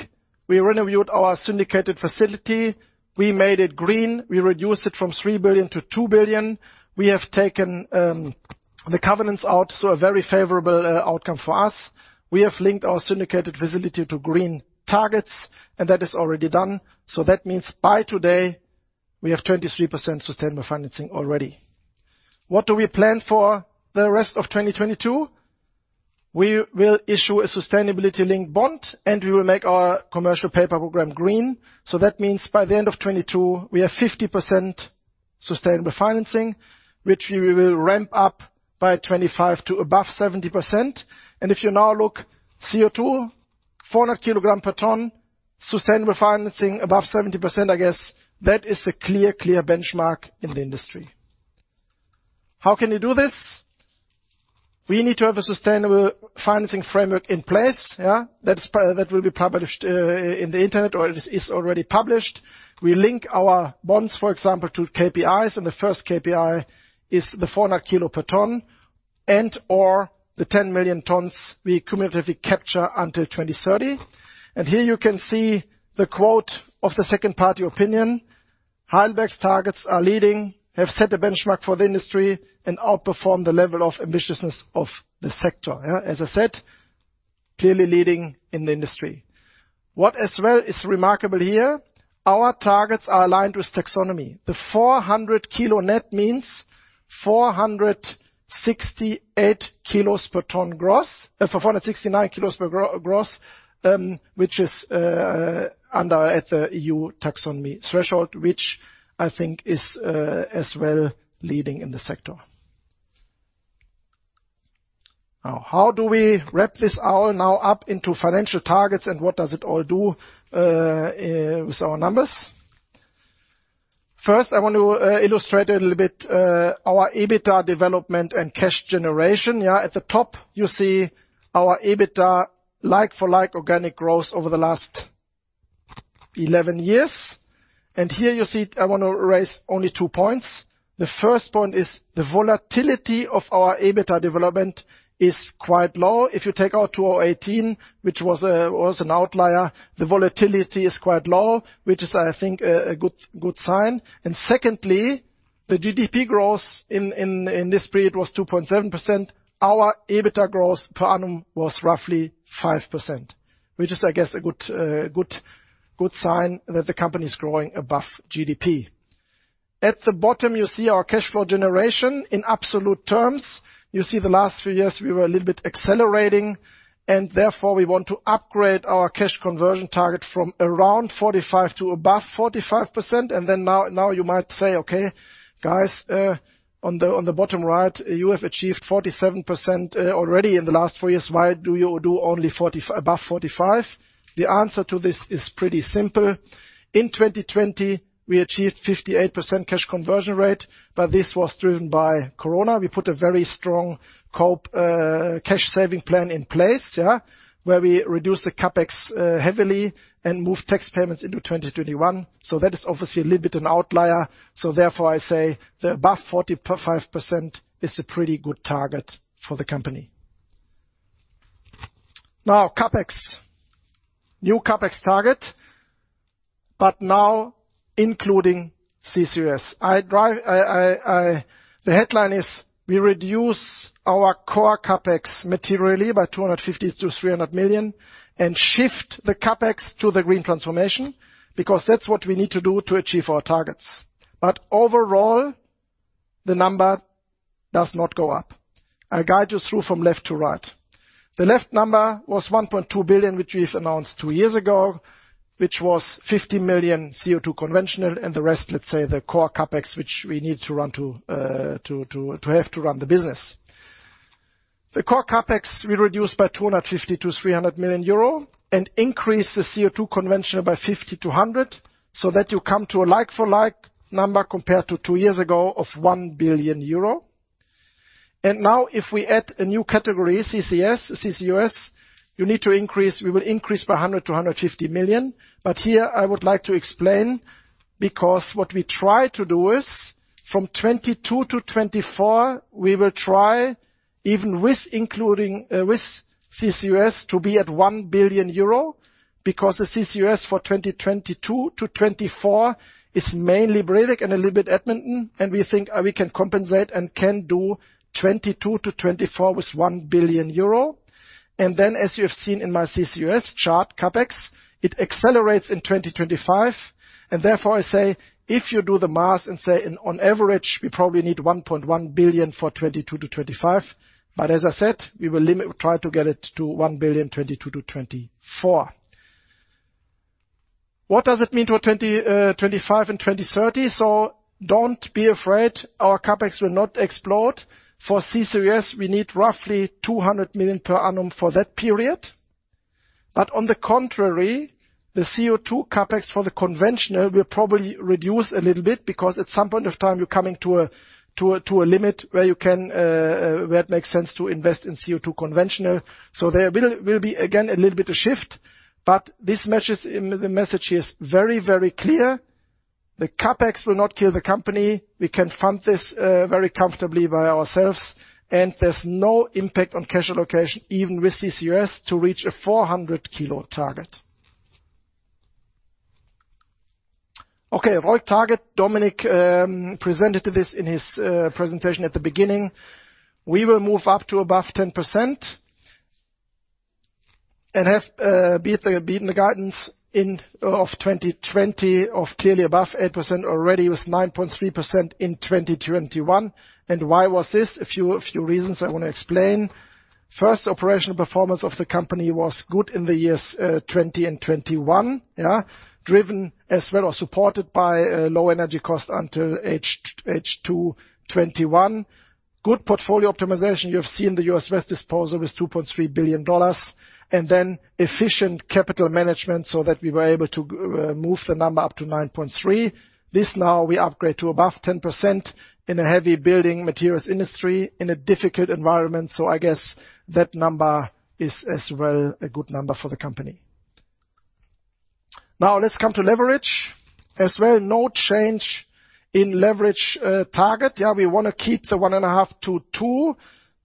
we renewed our syndicated facility. We made it green. We reduced it from 3 billion to 2 billion. We have taken the covenants out, so a very favorable outcome for us. We have linked our syndicated facility to green targets, and that is already done. That means by today, we have 23% sustainable financing already. What do we plan for the rest of 2022? We will issue a sustainability-linked bond, and we will make our commercial paper program green. That means by the end of 2022, we have 50% sustainable financing, which we will ramp up by 25 to above 70%. If you now look CO2, 400 kg/ton, sustainable financing above 70%, I guess that is a clear benchmark in the industry. How can you do this? We need to have a sustainable financing framework in place, yeah. That will be published in the internet or it is already published. We link our bonds, for example, to KPIs, and the first KPI is the 400 kg/ton and/or the 10 million tons we cumulatively capture until 2030. Here you can see the quote of the second party opinion. "Heidelberg's targets are leading, have set the benchmark for the industry and outperform the level of ambitiousness of the sector." Yeah, as I said, clearly leading in the industry. What as well is remarkable here, our targets are aligned with taxonomy. The 400 kg net means 468 kg/ton gross. 469 kg/gross, which is under that the EU taxonomy threshold, which I think is as well leading in the sector. Now, how do we wrap this all up into financial targets and what does it all do with our numbers? First, I want to illustrate a little bit our EBITDA development and cash generation, yeah. At the top you see our EBITDA like for like organic growth over the last 11 years. Here you see I wanna raise only two points. The first point is the volatility of our EBITDA development is quite low. If you take out 2018, which was an outlier, the volatility is quite low, which is, I think, a good sign. Secondly, the GDP growth in this period was 2.7%. Our EBITDA development per annum was roughly 5%, which is, I guess, a good sign that the company's growing above GDP. At the bottom, you see our cash flow generation in absolute terms. You see, in the last few years we were a little bit accelerating, and therefore we want to upgrade our cash conversion target from around 45% to above 45%. Now you might say, "Okay, guys, on the bottom right, you have achieved 47% already in the last four years. Why do you do only above 45%?" The answer to this is pretty simple. In 2020, we achieved 58% cash conversion rate, but this was driven by Corona. We put a very strong cash saving plan in place, yeah, where we reduced the CapEx heavily and moved tax payments into 2021. That is obviously a little bit an outlier. Therefore, I say the above 45% is a pretty good target for the company. Now CapEx. New CapEx target now including CCUS. The headline is we reduce our core CapEx materially by 250-300 million and shift the CapEx to the green transformation because that's what we need to do to achieve our targets. Overall, the number does not go up. I'll guide you through from left to right. The left number was 1.2 billion, which we've announced two years ago, which was 50 million CO2 conventional, and the rest, let's say, the core CapEx, which we need to run the business. The core CapEx we reduce by 250-300 million euro and increase the CO2 conventional by 50-100, so that you come to a like for like number compared to two years ago of 1 billion euro. Now if we add a new category, CCS, CCUS, you need to increase. We will increase by 100-150 million. Here I would like to explain, because what we try to do is from 2022 to 2024, we will try even with including with CCUS to be at 1 billion euro because the CCUS for 2022 to 2024 is mainly Brevik and a little bit Edmonton, and we think we can compensate and can do 2022 to 2024 with 1 billion euro. Then, as you have seen in my CCUS chart CapEx, it accelerates in 2025. Therefore, I say if you do the math and say in, on average, we probably need 1.1 billion for 2022 to 2025. As I said, we will try to get it to 1 billion 2022 to 2024. What does it mean to 2025 and 2030? Don't be afraid, our CapEx will not explode. For CCUS, we need roughly 200 million per annum for that period. But on the contrary, the CO2 CapEx for the conventional will probably reduce a little bit because at some point of time, you're coming to a limit where it makes sense to invest in CO2 conventional. There will be again a little bit of shift, but this message, the message is very, very clear. The CapEx will not kill the company. We can fund this very comfortably by ourselves, and there's no impact on cash allocation, even with CCUS, to reach a 400-kg target. Okay. ROIC target. Dominik presented this in his presentation at the beginning. We will move up to above 10% and have beaten the guidance of 2020 of clearly above 8% already with 9.3% in 2021. Why was this? A few reasons I wanna explain. First, operational performance of the company was good in the years 2020 and 2021. Driven as well or supported by low energy cost until H2 2021. Good portfolio optimization. You have seen the U.S. West disposal is $2.3 billion. Then efficient capital management, so that we were able to move the number up to 9.3%. This now we upgrade to above 10% in a heavy building materials industry in a difficult environment. I guess that number is as well a good number for the company. Now let's come to leverage. As well, no change in leverage target. Yeah, we wanna keep the 1.5-2.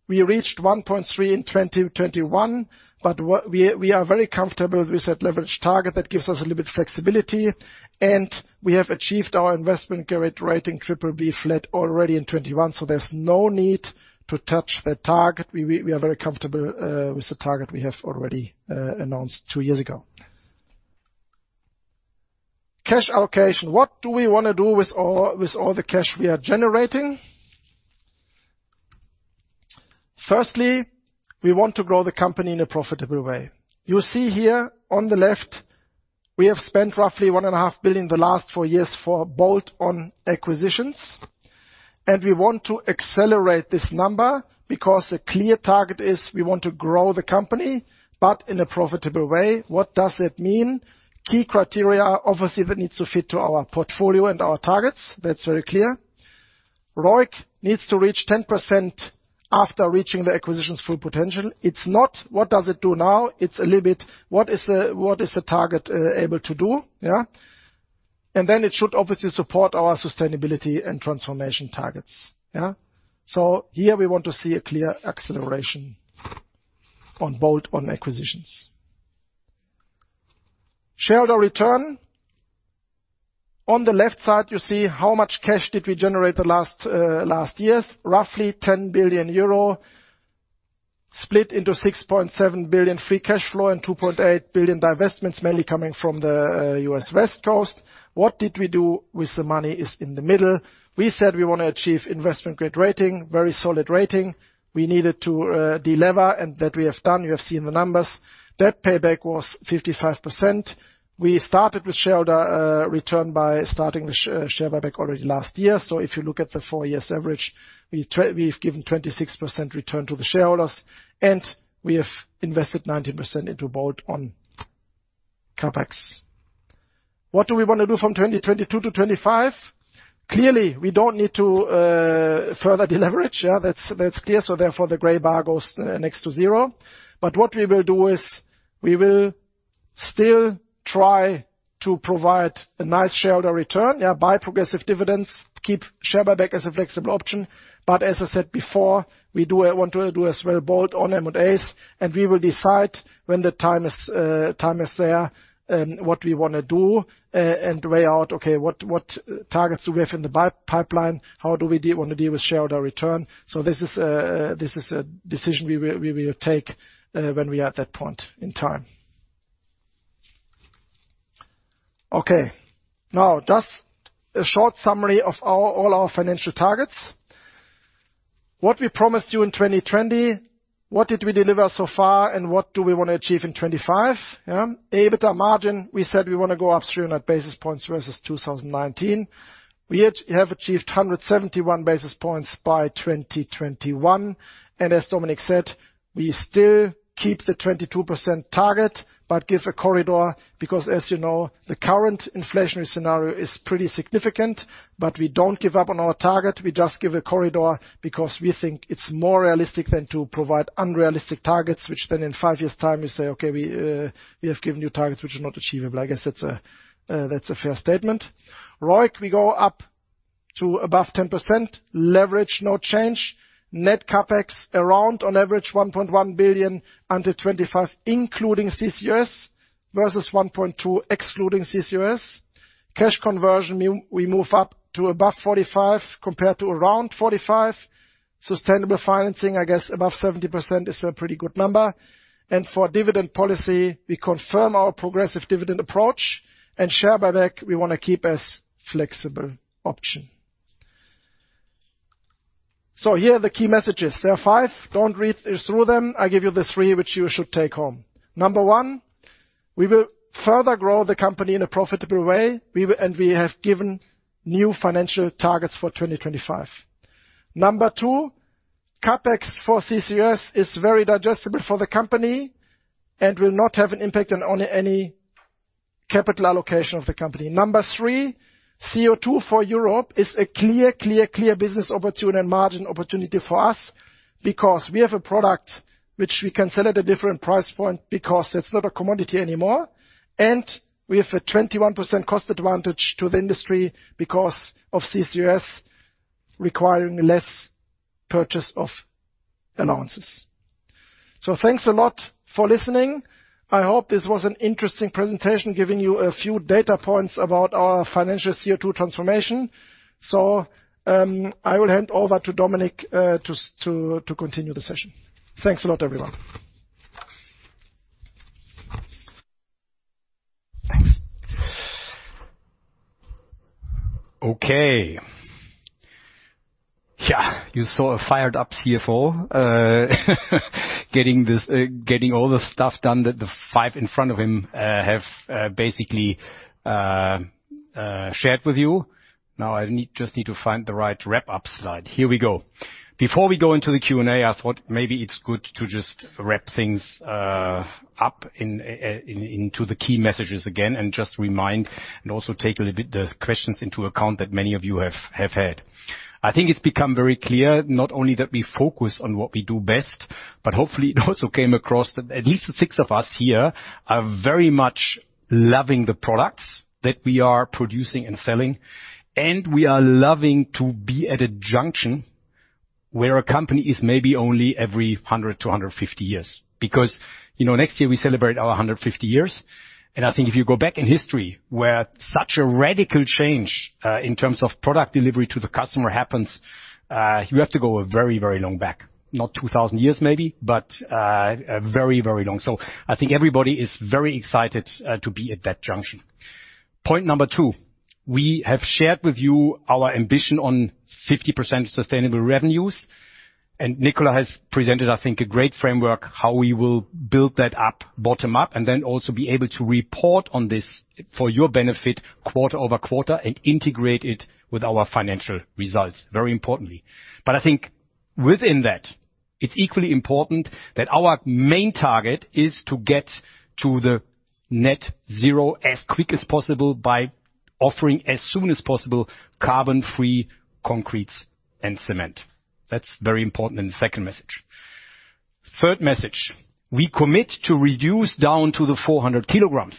We reached 1.3 in 2021, but we are very comfortable with that leverage target. That gives us a little bit flexibility. We have achieved our investment grade rating BBB already in 2021, so there's no need to touch that target. We are very comfortable with the target we have already announced two years ago. Cash allocation. What do we wanna do with all the cash we are generating? First, we want to grow the company in a profitable way. You see here on the left, we have spent roughly 1.5 billion in the last 4 years for bolt-on acquisitions. We want to accelerate this number because the clear target is we want to grow the company, but in a profitable way. What does that mean? Key criteria, obviously, that needs to fit to our portfolio and our targets. That's very clear. ROIC needs to reach 10% after reaching the acquisition's full potential. It's not what does it do now, it's a little bit what is the target able to do, yeah? Then it should obviously support our sustainability and transformation targets, yeah? Here we want to see a clear acceleration on bolt-on acquisitions. Shareholder return. On the left side, you see how much cash did we generate the last years. Roughly 10 billion euro split into 6.7 billion free cash flow and 2.8 billion divestments, mainly coming from the U.S. West Coast. What did we do with the money is in the middle. We said we wanna achieve investment-grade rating, very solid rating. We needed to delever, and that we have done. You have seen the numbers. Debt payback was 55%. We started with shareholder return by starting the share buyback already last year. If you look at the 4-year average, we've given 26% return to the shareholders, and we have invested 19% into bolt-on CapEx. What do we wanna do from 2022 to 2025? Clearly, we don't need to further deleverage. That's clear, so therefore the gray bar goes next to zero. What we will do is we will still try to provide a nice shareholder return. Yeah, via progressive dividends, keep share buyback as a flexible option. As I said before, we do want to do as well bolt-on M&As, and we will decide when the time is there, what we wanna do and weigh out, okay, what targets do we have in the buy pipeline? How do we wanna deal with shareholder return? This is a decision we will take when we're at that point in time. Okay. Now just a short summary of all our financial targets. What we promised you in 2020, what did we deliver so far, and what do we wanna achieve in 2025? Yeah. EBITDA margin, we said we wanna go up 300 basis points versus 2019. We have achieved 171 basis points by 2021. As Dominic said, we still keep the 22% target, but give a Corridor because as you know, the current inflationary scenario is pretty significant. We don't give up on our target, we just give a corridor because we think it's more realistic than to provide unrealistic targets, which then in five years' time you say, "Okay, we have given you targets which are not achievable." I guess that's a fair statement. ROIC, we go up to above 10%. Leverage, no change. Net CapEx around on average 1.1 billion under 25, including CCUS, versus 1.2 billion excluding CCUS. Cash conversion, we move up to above 45 compared to around 45. Sustainable financing, I guess above 70% is a pretty good number. For dividend policy, we confirm our progressive dividend approach. Share buyback, we wanna keep as flexible option. Here are the key messages. There are five. Don't read through them. I give you the three which you should take home. Number one, we will further grow the company in a profitable way. We will and we have given new financial targets for 2025. Number two, CapEx for CCUS is very digestible for the company and will not have an impact on any capital allocation of the company. Number three, CO2 for Europe is a clear, clear business opportunity and margin opportunity for us because we have a product which we can sell at a different price point because it's not a commodity anymore. We have a 21% cost advantage to the industry because of CCUS requiring less purchase of allowances. Thanks a lot for listening. I hope this was an interesting presentation, giving you a few data points about our financial CO2 transformation. I will hand over to Dominik to continue the session. Thanks a lot, everyone. Thanks Okay. Yeah, you saw a fired-up CFO. Getting all the stuff done that the five in front of him have basically shared with you. Now I just need to find the right wrap-up slide. Here we go. Before we go into the Q&A, I thought maybe it's good to just wrap things up into the key messages again and just remind, and also take a little bit the questions into account that many of you have had. I think it's become very clear, not only that we focus on what we do best, but hopefully it also came across that at least the six of us here are very much loving the products that we are producing and selling. We are loving to be at a junction where a company is maybe only every 100 to 150 years. Because, you know, next year we celebrate our 150 years, and I think if you go back in history where such a radical change in terms of product delivery to the customer happens, you have to go a very, very long back. Not 2,000 years, maybe, but very, very long. I think everybody is very excited to be at that junction. Point number two, we have shared with you our ambition on 50% sustainable revenues, and Nicola has presented, I think, a great framework, how we will build that up, bottom up, and then also be able to report on this for your benefit quarter over quarter and integrate it with our financial results, very importantly. I think within that, it's equally important that our main target is to get to the net zero as quick as possible by offering as soon as possible, carbon-free concrete and cement. That's very important in the second message. Third message, we commit to reduce down to the 400 kg.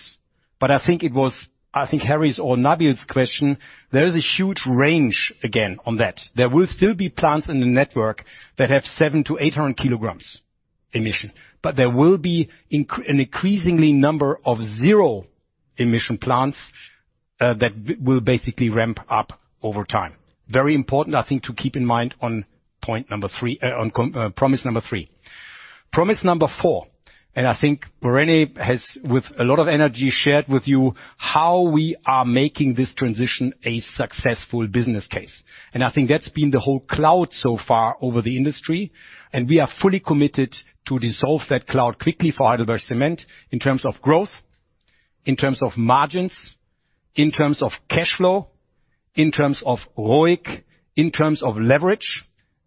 I think it was Harry's or Nabil's question. There is a huge range again on that. There will still be plants in the network that have 700 kg-800 kg emission. There will be an increasing number of zero-emission plants that will basically ramp up over time. Very important, I think, to keep in mind on point number three, on promise number three. Promise number four, and I think René has, with a lot of energy, shared with you how we are making this transition a successful business case. I think that's been the whole cloud so far over the industry, and we are fully committed to dissolve that cloud quickly for Heidelberg Materials in terms of growth, in terms of margins, in terms of cash flow, in terms of ROIC, in terms of leverage.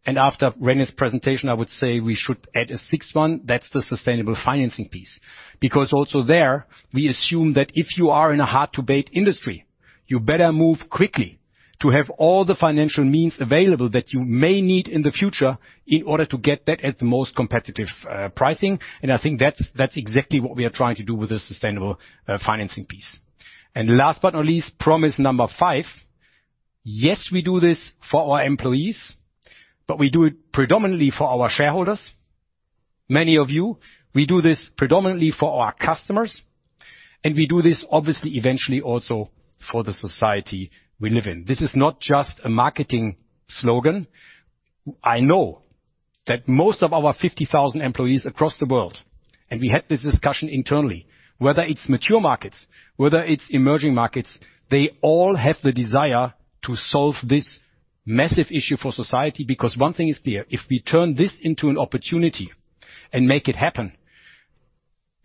After René's presentation, I would say we should add a sixth one. That's the sustainable financing piece. Because also there, we assume that if you are in a hard-to-abate industry, you better move quickly to have all the financial means available that you may need in the future in order to get that at the most competitive pricing. I think that's exactly what we are trying to do with the sustainable financing piece. Last but not least, promise number five. Yes, we do this for our employees, but we do it predominantly for our shareholders. Many of you. We do this predominantly for our customers, and we do this obviously eventually also for the society we live in. This is not just a marketing slogan. I know that most of our 50,000 employees across the world, and we had this discussion internally, whether it's mature markets, whether it's emerging markets, they all have the desire to solve this massive issue for society because one thing is clear. If we turn this into an opportunity and make it happen.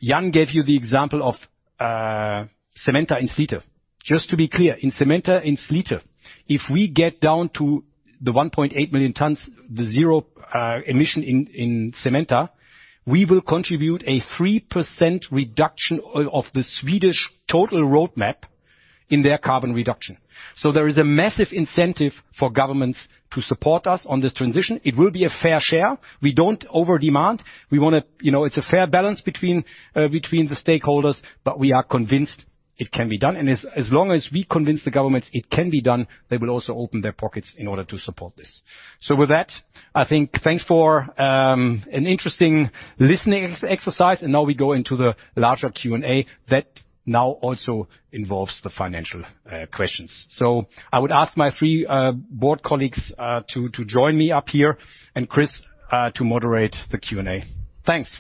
Jan gave you the example of Cementa in Slite. Just to be clear, in Cementa in Slite, if we get down to the 1.8 million tons, the zero emission in Cementa, we will contribute a 3% reduction of the Swedish total roadmap in their carbon reduction. There is a massive incentive for governments to support us on this transition. It will be a fair share. We don't over-demand. We wanna. You know, it's a fair balance between the stakeholders, but we are convinced it can be done. As long as we convince the governments it can be done, they will also open their pockets in order to support this. With that, I think thanks for an interesting listening exercise, and now we go into the larger Q&A that now also involves the financial questions. I would ask my three board colleagues to join me up here and Chris to moderate the Q&A. Thanks.